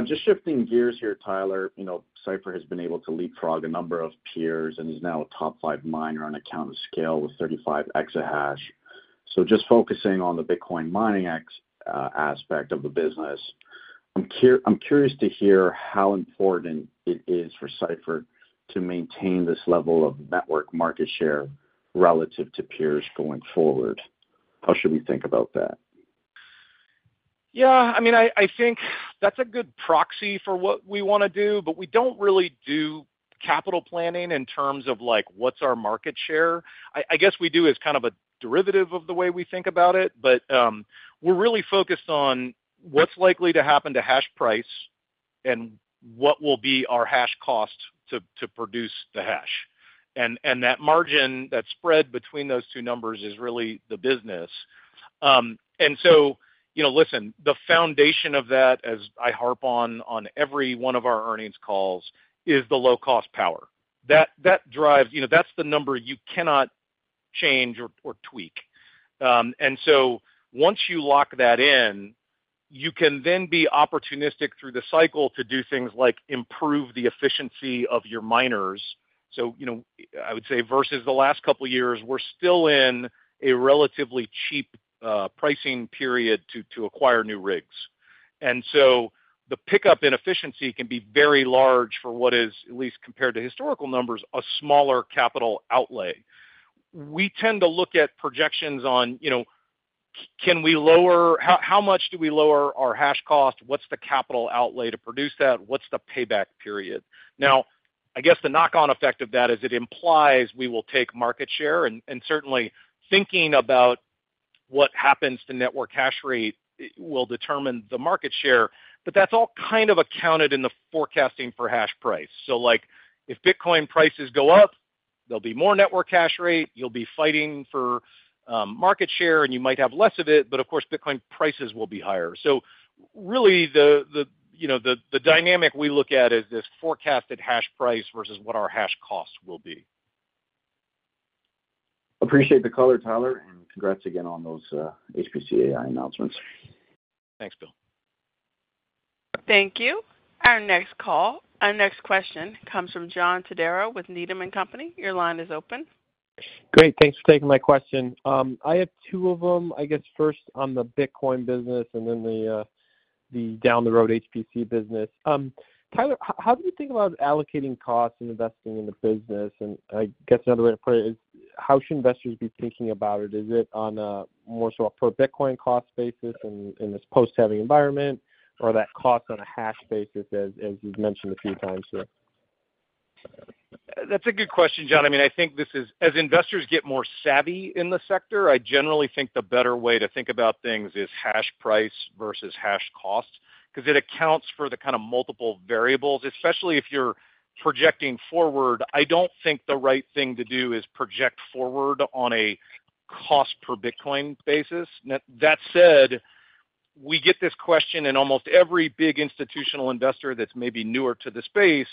Just shifting gears here, Tyler, you know, Cipher has been able to leapfrog a number of peers and is now a top five miner on account of scale with 35 exahash. So just focusing on the Bitcoin mining aspect of the business, I'm curious to hear how important it is for Cipher to maintain this level of network market share relative to peers going forward. How should we think about that? I mean, I think that's a good proxy for what we wanna do, but we don't really do capital planning in terms of, like, what's our market share. I guess we do as kind of a derivative of the way we think about it, but we're really focused on what's likely to happen to hash price and what will be our hash cost to produce the hash. And that margin, that spread between those two numbers is really the business. And so, you know, listen, the foundation of that, as I harp on every one of our earnings calls, is the low-cost power. That drives you know, that's the number you cannot change or tweak. And so once you lock that in, you can then be opportunistic through the cycle to do things like improve the efficiency of your miners. So, you know, I would say versus the last couple of years, we're still in a relatively cheap pricing period to acquire new rigs. And so the pickup in efficiency can be very large for what is, at least compared to historical numbers, a smaller capital outlay. We tend to look at projections on, you know, can we lower our hash cost? How much do we lower our hash cost? What's the capital outlay to produce that? What's the payback period? Now, I guess the knock-on effect of that is it implies we will take market share and certainly thinking about what happens to network hash rate will determine the market share, but that's all kind of accounted in the forecasting for hash price. So like, if Bitcoin prices go up, there'll be more network hash rate, you'll be fighting for market share and you might have less of it, but of course, Bitcoin prices will be higher. So really, you know, the dynamic we look at is this forecasted hash price versus what our hash costs will be. Appreciate the color, Tyler and congrats again on those, HPC AI announcements. Thanks, Bill. Thank you. Our next question comes from John Todaro with Needham & Company. Your line is open. Great. Thanks for taking my question. I have two of them, I guess, first on the Bitcoin business and then the down the road HPC business. Tyler, how do you think about allocating costs and investing in the business? And I guess another way to put it is, how should investors be thinking about it? Is it on a more so a per Bitcoin cost basis in this post halving environment, or that cost on a hash basis, as you've mentioned a few times here? That's a good question, John. I mean, I think this is as investors get more savvy in the sector, I generally think the better way to think about things is hash price versus hash cost, 'cause it accounts for the kind of multiple variables, especially if you're projecting forward. I don't think the right thing to do is project forward on a cost per Bitcoin basis. That said, we get this question and almost every big institutional investor that's maybe newer to the space,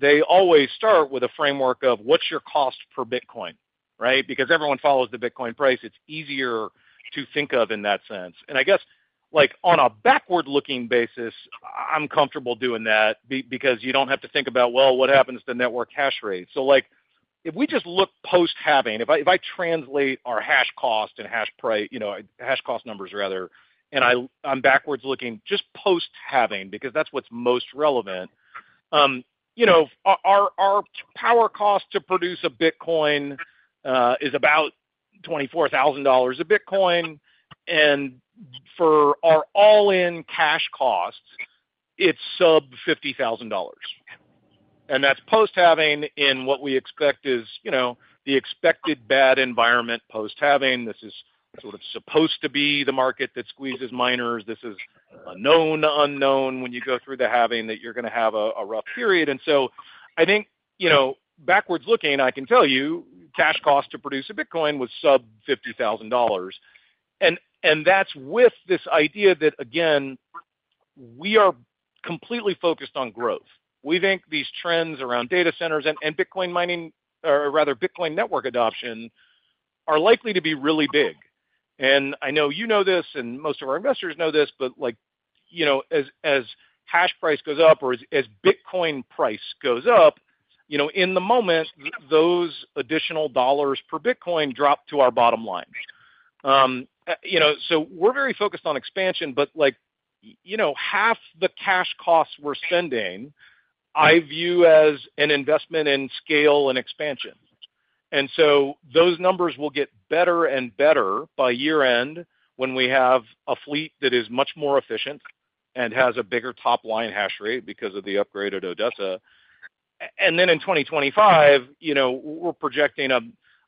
they always start with a framework of what's your cost per Bitcoin, right? Because everyone follows the Bitcoin price. It's easier to think of in that sense. And I guess, like, on a backward-looking basis, I'm comfortable doing that, because you don't have to think about, well, what happens to network hash rate? So like, if we just look post-halving, if I translate our hash cost and hash price, you know, hash cost numbers rather and I'm backwards looking, just post-halving, because that's what's most relevant. You know, our power cost to produce a Bitcoin is about $24,000 a Bitcoin and for our all-in cash costs, it's sub $50,000. And that's post-halving in what we expect is, you know, the expected bad environment post-halving. This is sort of supposed to be the market that squeezes miners. This is a known unknown when you go through the halving, that you're gonna have a rough period. And so I think, you know, backwards looking, I can tell you, cash cost to produce a Bitcoin was sub $50,000. And that's with this idea that, again, we are completely focused on growth. We think these trends around data centers and Bitcoin mining, or rather Bitcoin network adoption, are likely to be really big. And I know you know this and most of our investors know this, but like, you know, as hash price goes up or as Bitcoin price goes up, you know, in the moment, those additional $ per Bitcoin drop to our bottom line. You know, so we're very focused on expansion, but like, you know, half the cash costs we're sending, I view as an investment in scale and expansion. And so those numbers will get better and better by year-end when we have a fleet that is much more efficient and has a bigger top-line hash rate because of the upgraded Odessa. And then in 2025, you know, we're projecting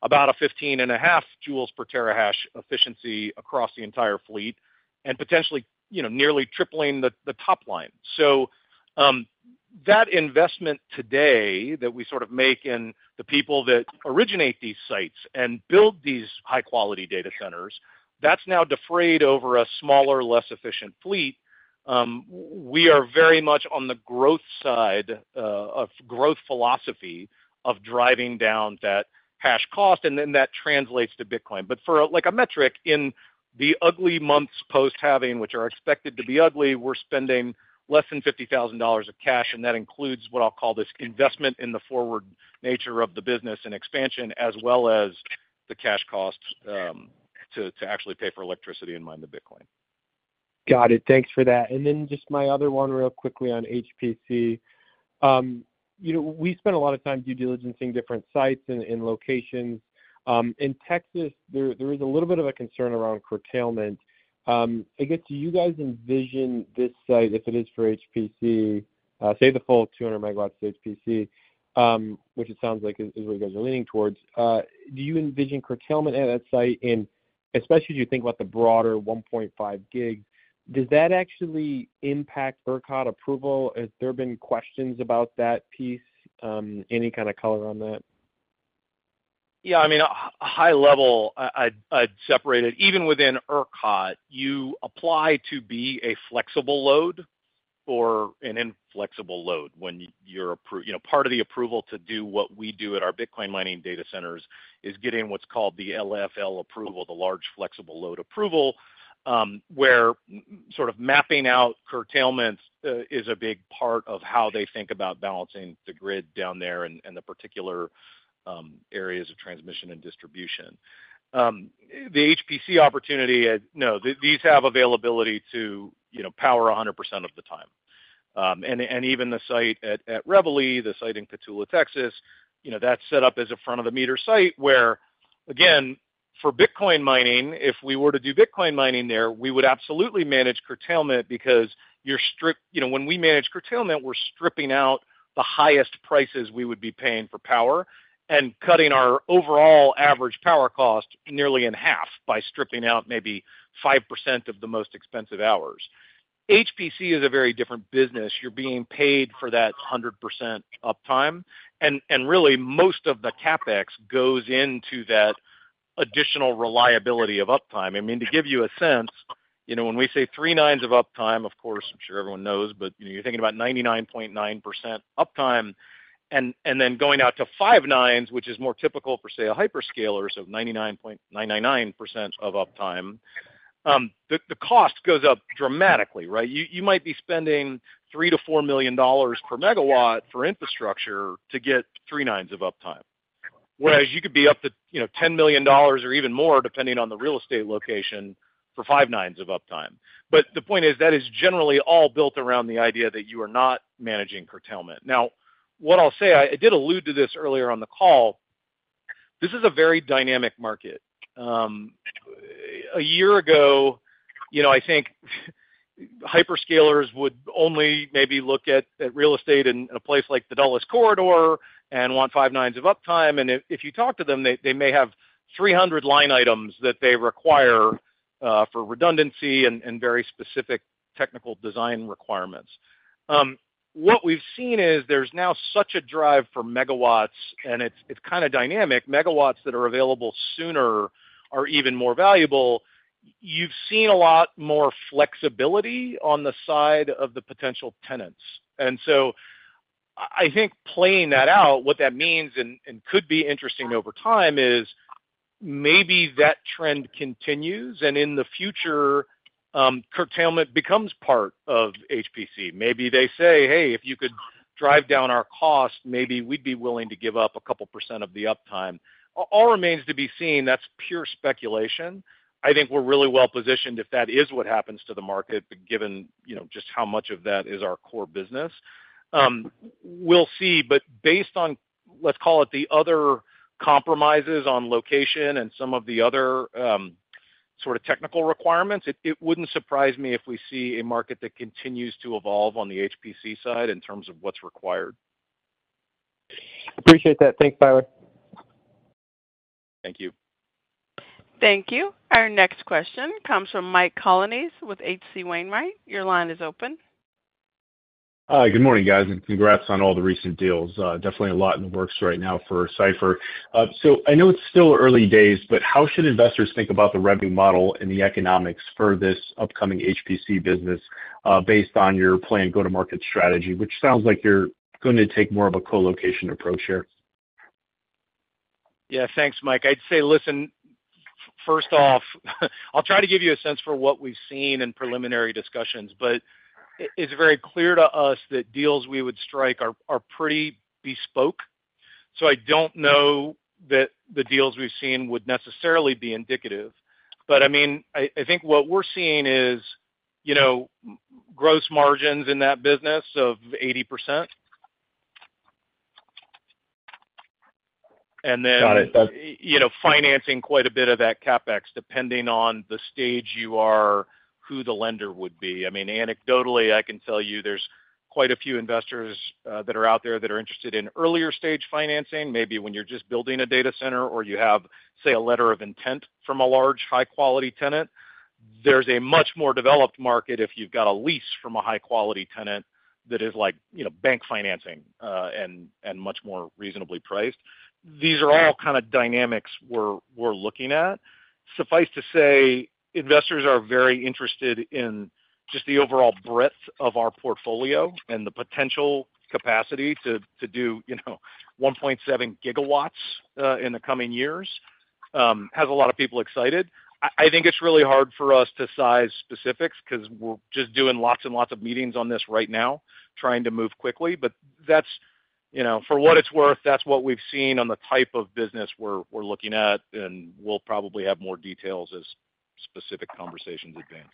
about 15.5 joules per terahash efficiency across the entire fleet and potentially, you know, nearly tripling the top line. So, that investment today that we sort of make in the people that originate these sites and build these high-quality data centers, that's now defrayed over a smaller, less efficient fleet. We are very much on the growth side of growth philosophy of driving down that hash cost and then that translates to Bitcoin. But for, like, a metric in the ugly months post-halving, which are expected to be ugly, we're spending less than $50,000 of cash and that includes what I'll call this investment in the forward nature of the business and expansion, as well as the cash costs to actually pay for electricity and mine the Bitcoin. Got it. Thanks for that. And then just my other one, real quickly on HPC. You know, we spent a lot of time due diligencing different sites and and locations. In Texas, there, there is a little bit of a concern around curtailment. I guess, do you guys envision this site, if it is for HPC, say, the full 200 MW to HPC, which it sounds like is, is what you guys are leaning towards, do you envision curtailment at that site? And especially as you think about the broader 1.5 GW, does that actually impact ERCOT approval? Has there been questions about that piece? Any kind of color on that? I mean, high level, I'd separate it. Even within ERCOT, you apply to be a flexible load or an inflexible load when you're, you know, part of the approval to do what we do at our Bitcoin mining data centers is getting what's called the LFL approval, the large flexible load approval, where sort of mapping out curtailments is a big part of how they think about balancing the grid down there and the particular areas of transmission and distribution. The HPC opportunity, no, these have availability to, you know, power 100% of the time. Even the site at Reveille, the site in Cotulla, Texas, you know, that's set up as a front-of-the-meter site, where, again, for Bitcoin mining, if we were to do Bitcoin mining there, we would absolutely manage curtailment because you're stripping—you know, when we manage curtailment, we're stripping out the highest prices we would be paying for power and cutting our overall average power cost nearly in half by stripping out maybe 5% of the most expensive hours. HPC is a very different business. You're being paid for that 100% uptime and really, most of the CapEx goes into that additional reliability of uptime. I mean, to give you a sense, you know, when we say three nines of uptime, of course, I'm sure everyone knows, but, you know, you're thinking about 99.9% and and then going out to five nines, which is more typical for, say, a hyperscaler, so 99.999% of uptime. The, the cost goes up dramatically, right? You, you might be spending $3-$4 million per MW for infrastructure to get three nines of uptime, whereas you could be up to, you know, $10 million or even more, depending on the real estate location, for five nines of uptime. But the point is, that is generally all built around the idea that you are not managing curtailment. Now, what I'll say, I, I did allude to this earlier on the call. This is a very dynamic market. A year ago, you know, I think hyperscalers would only maybe look at real estate in a place like the Dulles Corridor and want five nines of uptime. And if you talk to them, they may have 300 line items that they require for redundancy and very specific technical design requirements. What we've seen is there's now such a drive for megawatts and it's kind of dynamic. Megawatts that are available sooner are even more valuable. You've seen a lot more flexibility on the side of the potential tenants. And so I think playing that out, what that means and could be interesting over time is maybe that trend continues and in the future, curtailment becomes part of HPC. Maybe they say, "Hey, if you could drive down our cost, maybe we'd be willing to give up a couple% of the uptime." All remains to be seen. That's pure speculation. I think we're really well positioned if that is what happens to the market, given, you know, just how much of that is our core business. We'll see, but based on, let's call it, the other compromises on location and some of the other, sort of technical requirements, it wouldn't surprise me if we see a market that continues to evolve on the HPC side in terms of what's required. Appreciate that. Thanks, Tyler. Thank you. Thank you. Our next question comes from Mike Colonnese with H.C. Wainwright. Your line is open. Good morning, guys and congrats on all the recent deals. Definitely a lot in the works right now for Cipher. So I know it's still early days, but how should investors think about the revenue model and the economics for this upcoming HPC business, based on your planned go-to-market strategy, which sounds like you're going to take more of a co-location approach here? thanks, Mike. I'd say, listen, first off, I'll try to give you a sense for what we've seen in preliminary discussions, but it's very clear to us that deals we would strike are, are pretty bespoke, so I don't know that the deals we've seen would necessarily be indicative. But I mean, I, I think what we're seeing is, you know, gross margins in that business of 80%. And then you know, financing quite a bit of that CapEx, depending on the stage you are, who the lender would be. I mean, anecdotally, I can tell you there's quite a few investors that are out there, that are interested in earlier stage financing, maybe when you're just building a data center or you have, say, a letter of intent from a large, high-quality tenant. There's a much more developed market if you've got a lease from a high-quality tenant that is like, you know, bank financing and much more reasonably priced. These are all kind of dynamics we're looking at. Suffice to say, investors are very interested in just the overall breadth of our portfolio and the potential capacity to do, you know 1.7 GW in the coming years has a lot of people excited. I think it's really hard for us to size specifics because we're just doing lots and lots of meetings on this right now, trying to move quickly. But, that's you know for what it's worth, that's what we've seen on the type of business we're looking at and we'll probably have more details as specific conversations advance.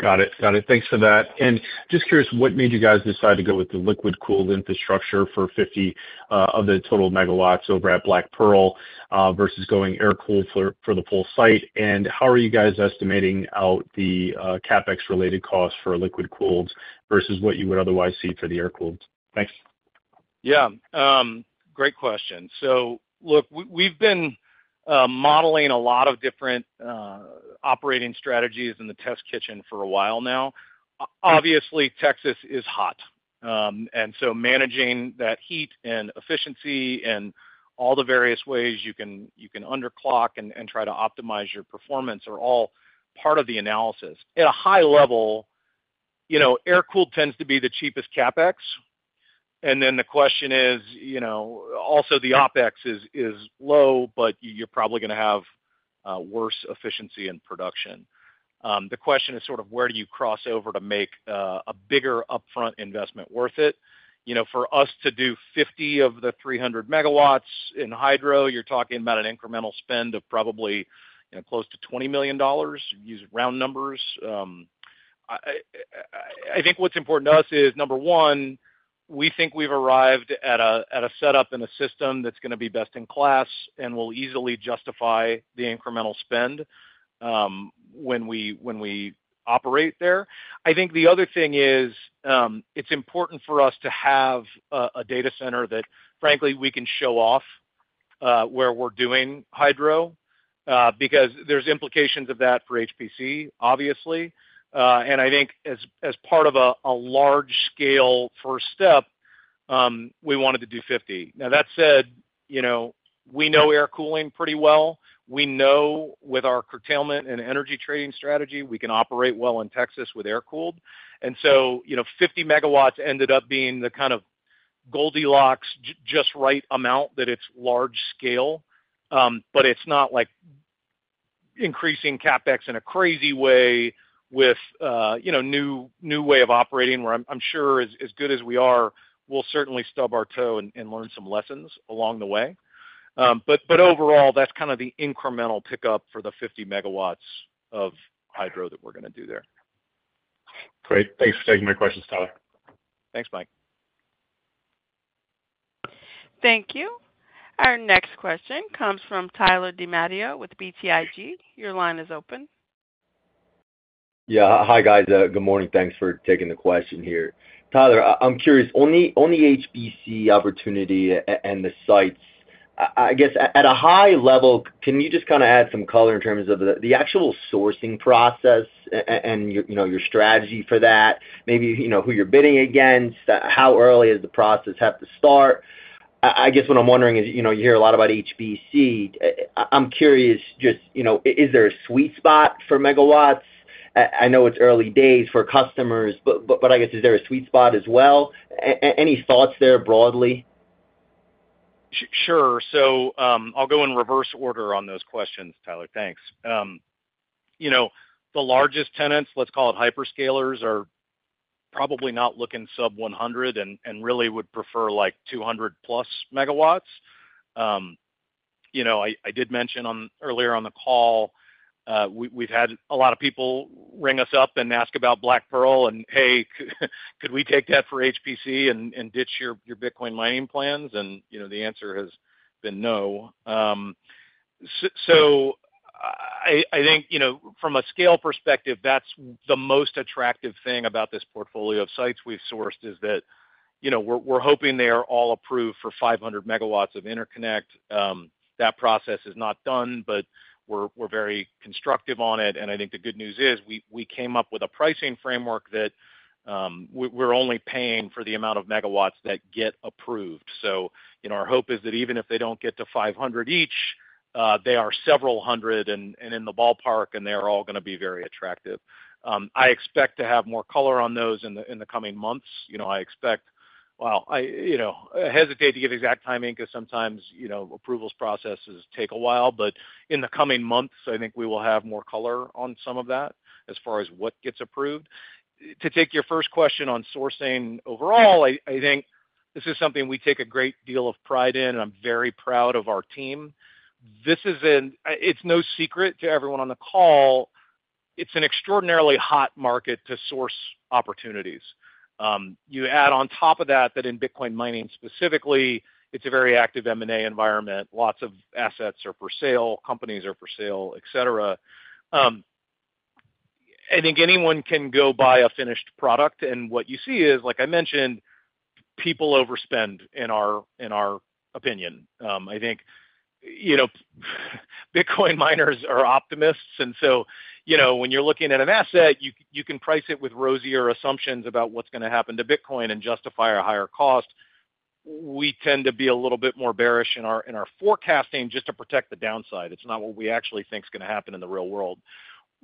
Got it. Got it. Thanks for that. And just curious, what made you guys decide to go with the liquid-cooled infrastructure for 50 of the total MW over at Black Pearl versus going air-cooled for the full site? And how are you guys estimating out the CapEx related costs for liquid-cooled versus what you would otherwise see for the air-cooled? Thanks. Great question. So look, we've been modeling a lot of different operating strategies in the test kitchen for a while now. Obviously, Texas is hot and so managing that heat and efficiency and all the various ways you can underclock and try to optimize your performance are all part of the analysis. At a high level, you know, air-cooled tends to be the cheapest CapEx and then the question is, you know, also the OpEx is low, but you're probably gonna have worse efficiency in production. The question is sort of: where do you cross over to make a bigger upfront investment worth it? You know, for us to do 50 of the 300 MW in hydro, you're talking about an incremental spend of probably, you know, close to $20 million, use round numbers. I think what's important to us is, number one, we think we've arrived at a setup and a system that's gonna be best in class and will easily justify the incremental spend, when we, when we operate there. I think the other thing is, it's important for us to have a data center that, frankly, we can show off, where we're doing hydro, because there's implications of that for HPC, obviously. And I think as part of a large scale first step, we wanted to do 50. Now, that said, you know, we know air cooling pretty well. We know with our curtailment and energy trading strategy, we can operate well in Texas with air-cooled. And so, you know, 50 MW ended up being the kind of Goldilocks just right amount, that it's large scale, but it's not like increasing CapEx in a crazy way with, you know, new, new way of operating, where I'm sure as good as we are, we'll certainly stub our toe and learn some lessons along the way. But overall, that's kind of the incremental pickup for the 50 MW of hydro that we're gonna do there. Great. Thanks for taking my questions, Tyler. Thanks, Mike. Thank you. Our next question comes from Tyler DiMatteo with BTIG. Your line is open. Hi, guys. Good morning. Thanks for taking the question here. Tyler, I'm curious, on the HPC opportunity and the sites, I guess at a high level, can you just kind of add some color in terms of the actual sourcing process and your, you know, your strategy for that? Maybe, you know, who you're bidding against, how early does the process have to start? I guess what I'm wondering is, you know, you hear a lot about HPC. I'm curious, just, you know, is there a sweet spot for megawatts? I know it's early days for customers, but, but, but I guess, is there a sweet spot as well? Any thoughts there broadly? Sure. So, I'll go in reverse order on those questions, Tyler, thanks. You know, the largest tenants, let's call it hyperscalers, are probably not looking sub 100 and really would prefer, like, 200+ MW. You know, I did mention earlier on the call, we've had a lot of people ring us up and ask about Black Pearl and hey, could we take that for HPC and ditch your Bitcoin mining plans? And, you know, the answer has been no. So I think, you know, from a scale perspective, that's the most attractive thing about this portfolio of sites we've sourced, is that, you know, we're hoping they are all approved for 500 MW of interconnect. That process is not done, but we're very constructive on it and I think the good news is, we came up with a pricing framework that we're only paying for the amount of megawatts that get approved. So, you know, our hope is that even if they don't get to 500 each, they are several hundred and in the ballpark and they're all gonna be very attractive. I expect to have more color on those in the coming months. You know, I expect well, you know, I hesitate to give exact timing, because sometimes, you know, approvals processes take a while, but in the coming months, I think we will have more color on some of that, as far as what gets approved. To take your first question on sourcing, overall, I think this is something we take a great deal of pride in and I'm very proud of our team. This is it's no secret to everyone on the call, it's an extraordinarily hot market to source opportunities. You add on top of that, that in Bitcoin mining specifically, it's a very active M&A environment. Lots of assets are for sale, companies are for sale, et cetera. I think anyone can go buy a finished product and what you see is, like I mentioned, people overspend in our opinion. I think, you know, Bitcoin miners are optimists and so, you know, when you're looking at an asset, you can price it with rosier assumptions about what's gonna happen to Bitcoin and justify a higher cost. We tend to be a little bit more bearish in our forecasting, just to protect the downside. It's not what we actually think is gonna happen in the real world.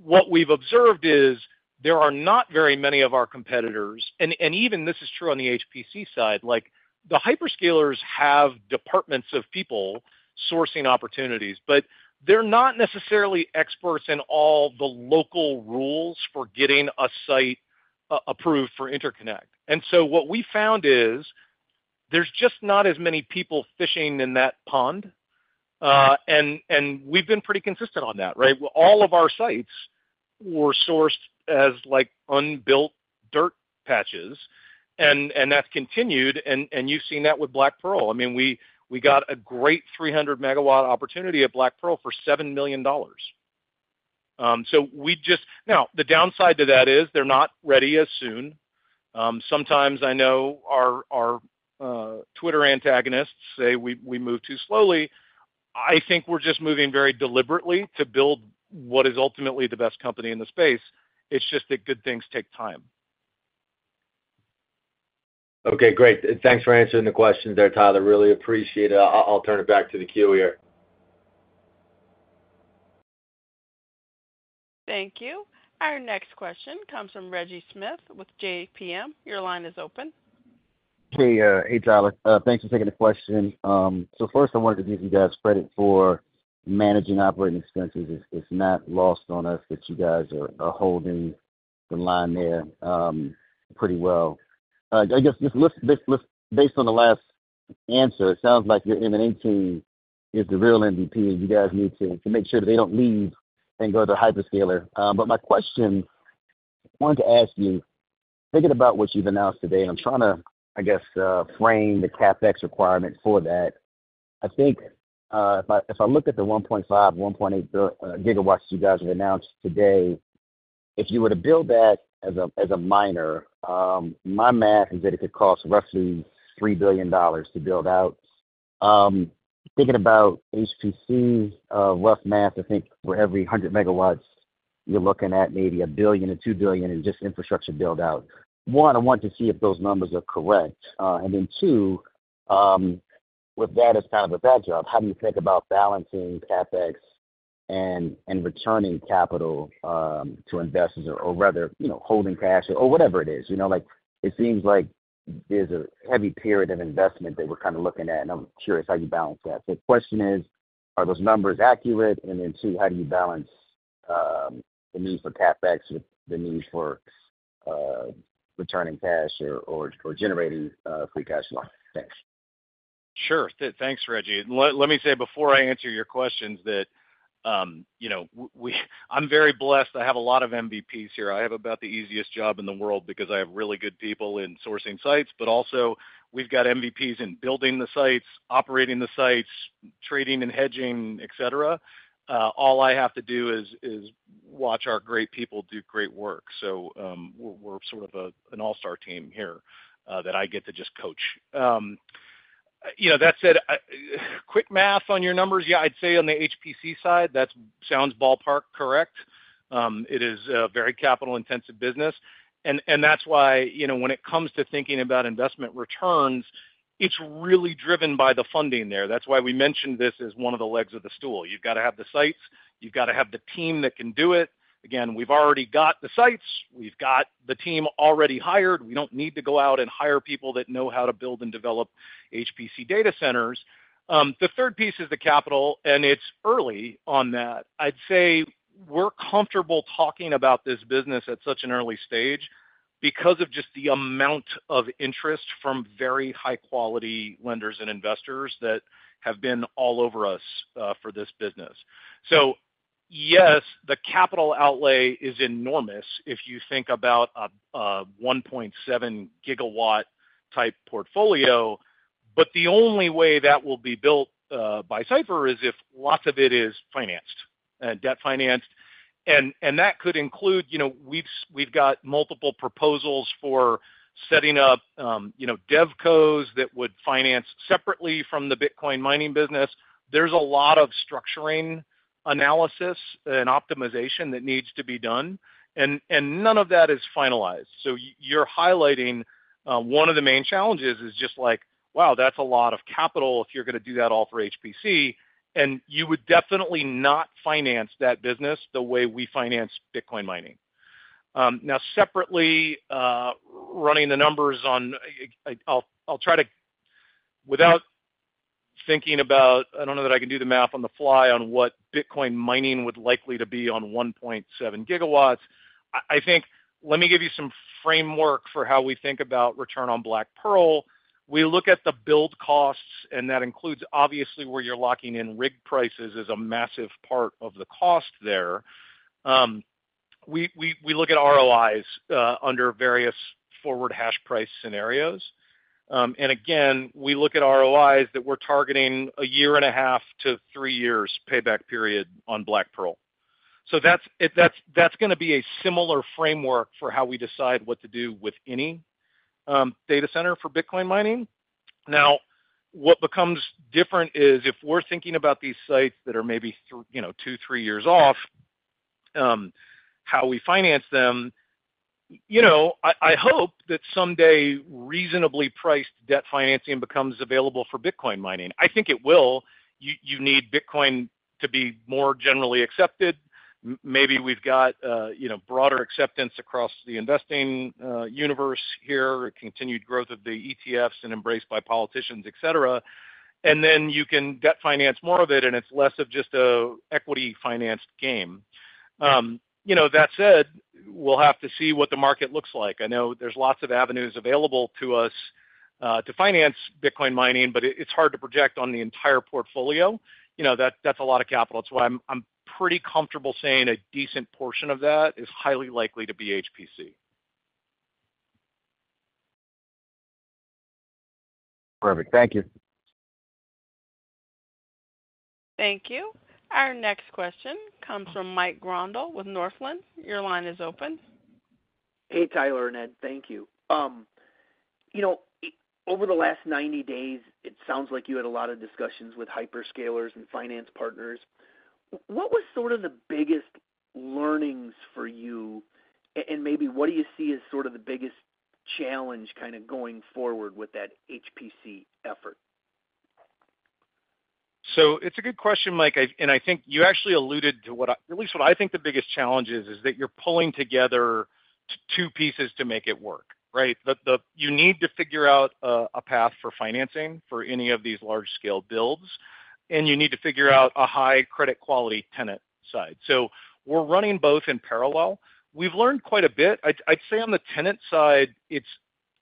What we've observed is, there are not very many of our competitors and even this is true on the HPC side, like, the hyperscalers have departments of people sourcing opportunities, but they're not necessarily experts in all the local rules for getting a site, approved for interconnect. And so what we found is, there's just not as many people fishing in that pond. We've been pretty consistent on that, right? All of our sites were sourced as, like, unbuilt dirt patches and that's continued and you've seen that with Black Pearl. I mean, we got a great 300 MW opportunity at Black Pearl for $7 million. So we just, You know the downside to that is they're not ready as soon. Sometimes I know our Twitter antagonists say we move too slowly, I think we're just moving very deliberately to build what is ultimately the best company in the space. It's just that good things take time. Okay, great. Thanks for answering the question there, Tyler. Really appreciate it. I'll, I'll turn it back to the queue here. Thank you. Our next question comes from Reggie Smith with JPM. Your line is open. Hey, hey, Tyler. Thanks for taking the question. So first, I wanted to give you guys credit for managing operating expenses. It's, it's not lost on us that you guys are, are holding the line there, pretty well. I guess, just let's based on the last answer, it sounds like your M&A team is the real MVP and you guys need to make sure that they don't leave and go to a hyperscaler. But my question, I wanted to ask you, thinking about what you've announced today, I'm trying to, I guess, frame the CapEx requirement for that. I think, if I look at the 1.5, 1.8 gigawatts you guys have announced today, if you were to build that as a miner, my math is that it could cost roughly $3 billion to build out. Thinking about HPC, rough math, I think for every 100 MW, you're looking at maybe $1 billion-$2 billion in just infrastructure build out. One, I wanted to see if those numbers are correct. And then two, with that as kind of a backdrop, how do you think about balancing CapEx and returning capital to investors or rather, you know, holding cash or whatever it is? You know, like, it seems like there's a heavy period of investment that we're kind of looking at and I'm curious how you balance that. So the question is, are those numbers accurate? And then two, how do you balance the need for CapEx with the need for returning cash or generating free cash flow? Thanks. Sure. Thanks, Reggie. Let me say before I answer your questions, that, you know, we, I'm very blessed. I have a lot of MVPs here. I have about the easiest job in the world because I have really good people in sourcing sites, but also we've got MVPs in building the sites, operating the sites, trading and hedging, et cetera. All I have to do is watch our great people do great work. So, we're sort of an all-star team here, that I get to just coach. You know, that said, quick math on your numbers. I'd say on the HPC side, that sounds ballpark correct. It is a very capital-intensive business and that's why, you know, when it comes to thinking about investment returns, it's really driven by the funding there. That's why we mentioned this as one of the legs of the stool. You've got to have the sites, you've got to have the team that can do it. Again, we've already got the sites. We've got the team already hired. We don't need to go out and hire people that know how to build and develop HPC data centers. The third piece is the capital and it's early on that. I'd say we're comfortable talking about this business at such an early stage because of just the amount of interest from very high-quality lenders and investors that have been all over us, for this business. So yes, the capital outlay is enormous if you think about a 1.7 GW type portfolio, but the only way that will be built by Cipher is if lots of it is financed, debt financed and that could include, you know we've got multiple proposals for setting up DevCos that would finance separately from the Bitcoin mining business. There's a lot of structuring, analysis and optimization that needs to be done and none of that is finalized. So you're highlighting one of the main challenges is just like, wow, that's a lot of capital if you're gonna do that all for HPC and you would definitely not finance that business the way we finance Bitcoin mining. Now separately, running the numbers on... I'll try to without thinking about, I don't know that I can do the math on the fly on what Bitcoin mining would likely to be on 1.7 GW. I think, let me give you some framework for how we think about return on Black Pearl. We look at the build costs and that includes, obviously, where you're locking in rig prices is a massive part of the cost there. We look at ROIs under various forward hash price scenarios. And again, we look at ROIs that we're targeting a 1.5-3-year payback period on Black Pearl. So that's, that's gonna be a similar framework for how we decide what to do with any data center for Bitcoin mining. Now, what becomes different is, if we're thinking about these sites that are maybe you know, 2, 3 years off, how we finance them, you know, I hope that someday reasonably priced debt financing becomes available for Bitcoin mining. I think it will. You need Bitcoin to be more generally accepted. Maybe we've got, you know, broader acceptance across the investing universe here, a continued growth of the ETFs and embraced by politicians, et cetera. And then you can debt finance more of it and it's less of just an equity financed game. You know, that said, we'll have to see what the market looks like. I know there's lots of avenues available to us to finance Bitcoin mining, but it's hard to project on the entire portfolio. You know, that's a lot of capital. That's why I'm pretty comfortable saying a decent portion of that is highly likely to be HPC. Perfect. Thank you. Thank you. Our next question comes from Mike Grondahl with Northland. Your line is open. Hey, Tyler and Ed, thank you. You know, over the last 90 days, it sounds like you had a lot of discussions with hyperscalers and finance partners. What was sort of the biggest learnings for you and maybe what do you see as sort of the biggest challenge kind of going forward with that HPC effort? So it's a good question, Mike and I think you actually alluded to at least what I think the biggest challenge is, that you're pulling together two pieces to make it work, right? You need to figure out a path for financing for any of these large-scale builds and you need to figure out a high credit quality tenant side. So we're running both in parallel. We've learned quite a bit. I'd say on the tenant side, it's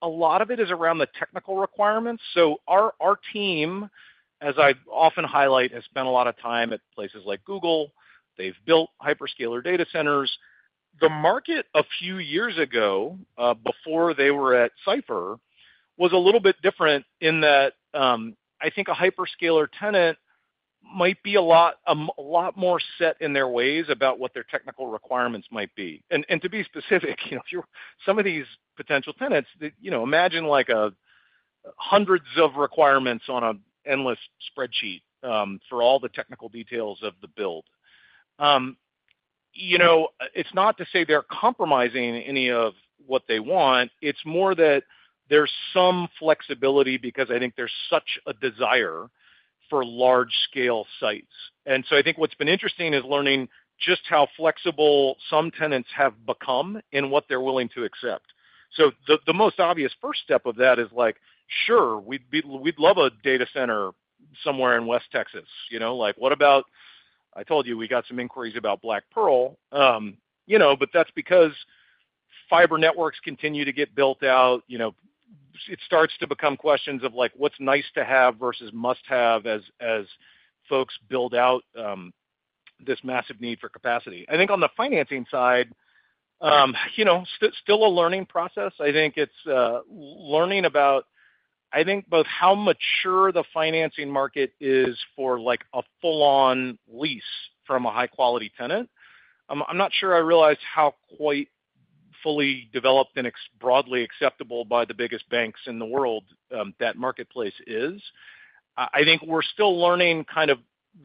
a lot of it is around the technical requirements. So our team, as I often highlight, has spent a lot of time at places like Google. They've built hyperscaler data centers. The market a few years ago, before they were at Cipher, was a little bit different in that, I think a hyperscaler tenant might be a lot, a lot more set in their ways about what their technical requirements might be. And to be specific, you know, some of these potential tenants, you know, imagine like a hundreds of requirements on a endless spreadsheet, for all the technical details of the build. You know, it's not to say they're compromising any of what they want, it's more that there's some flexibility because I think there's such a desire for large scale sites. And so I think what's been interesting is learning just how flexible some tenants have become in what they're willing to accept. So the most obvious first step of that is like, sure, we'd love a data center somewhere in West Texas. You know, like, what about i told you, we got some inquiries about Black Pearl. You know, but that's because fiber networks continue to get built out. You know, it starts to become questions of like, what's nice to have versus must have as folks build out this massive need for capacity. I think on the financing side, you know, still a learning process. I think it's learning about, I think, both how mature the financing market is for like a full-on lease from a high-quality tenant. I'm not sure I realize how quite fully developed and broadly acceptable by the biggest banks in the world that marketplace is. I think we're still learning kind of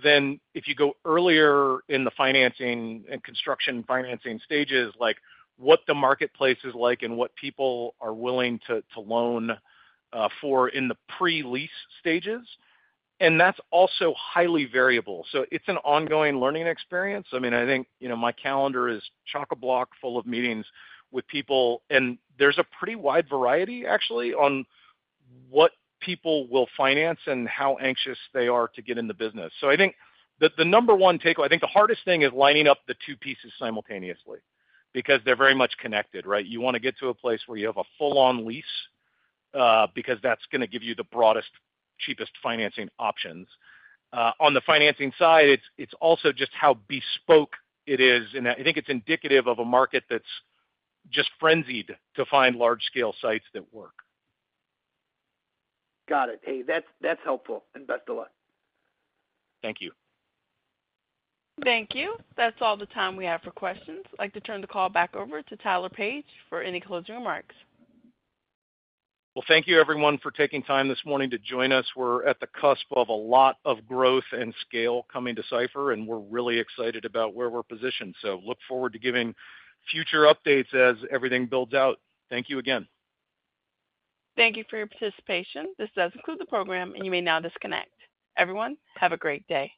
then, if you go earlier in the financing and construction financing stages, like what the marketplace is like and what people are willing to, to loan, for in the pre-lease stages and that's also highly variable. So it's an ongoing learning experience. I mean, I think, you know, my calendar is chock-a-block full of meetings with people and there's a pretty wide variety actually, on what people will finance and how anxious they are to get in the business. So I think the, the number one takeaway, I think the hardest thing is lining up the two pieces simultaneously, because they're very much connected, right? You want to get to a place where you have a full-on lease, because that's going to give you the broadest, cheapest financing options. On the financing side, it's also just how bespoke it is and I think it's indicative of a market that's just frenzied to find large-scale sites that work. Got it. Hey, that's, that's helpful. Best of luck. Thank you. Thank you. That's all the time we have for questions. I'd like to turn the call back over to Tyler Page for any closing remarks. Well, thank you, everyone, for taking time this morning to join us. We're at the cusp of a lot of growth and scale coming to Cipher and we're really excited about where we're positioned. So look forward to giving future updates as everything builds out. Thank you again. Thank you for your participation. This does conclude the program and you may now disconnect. Everyone, have a great day.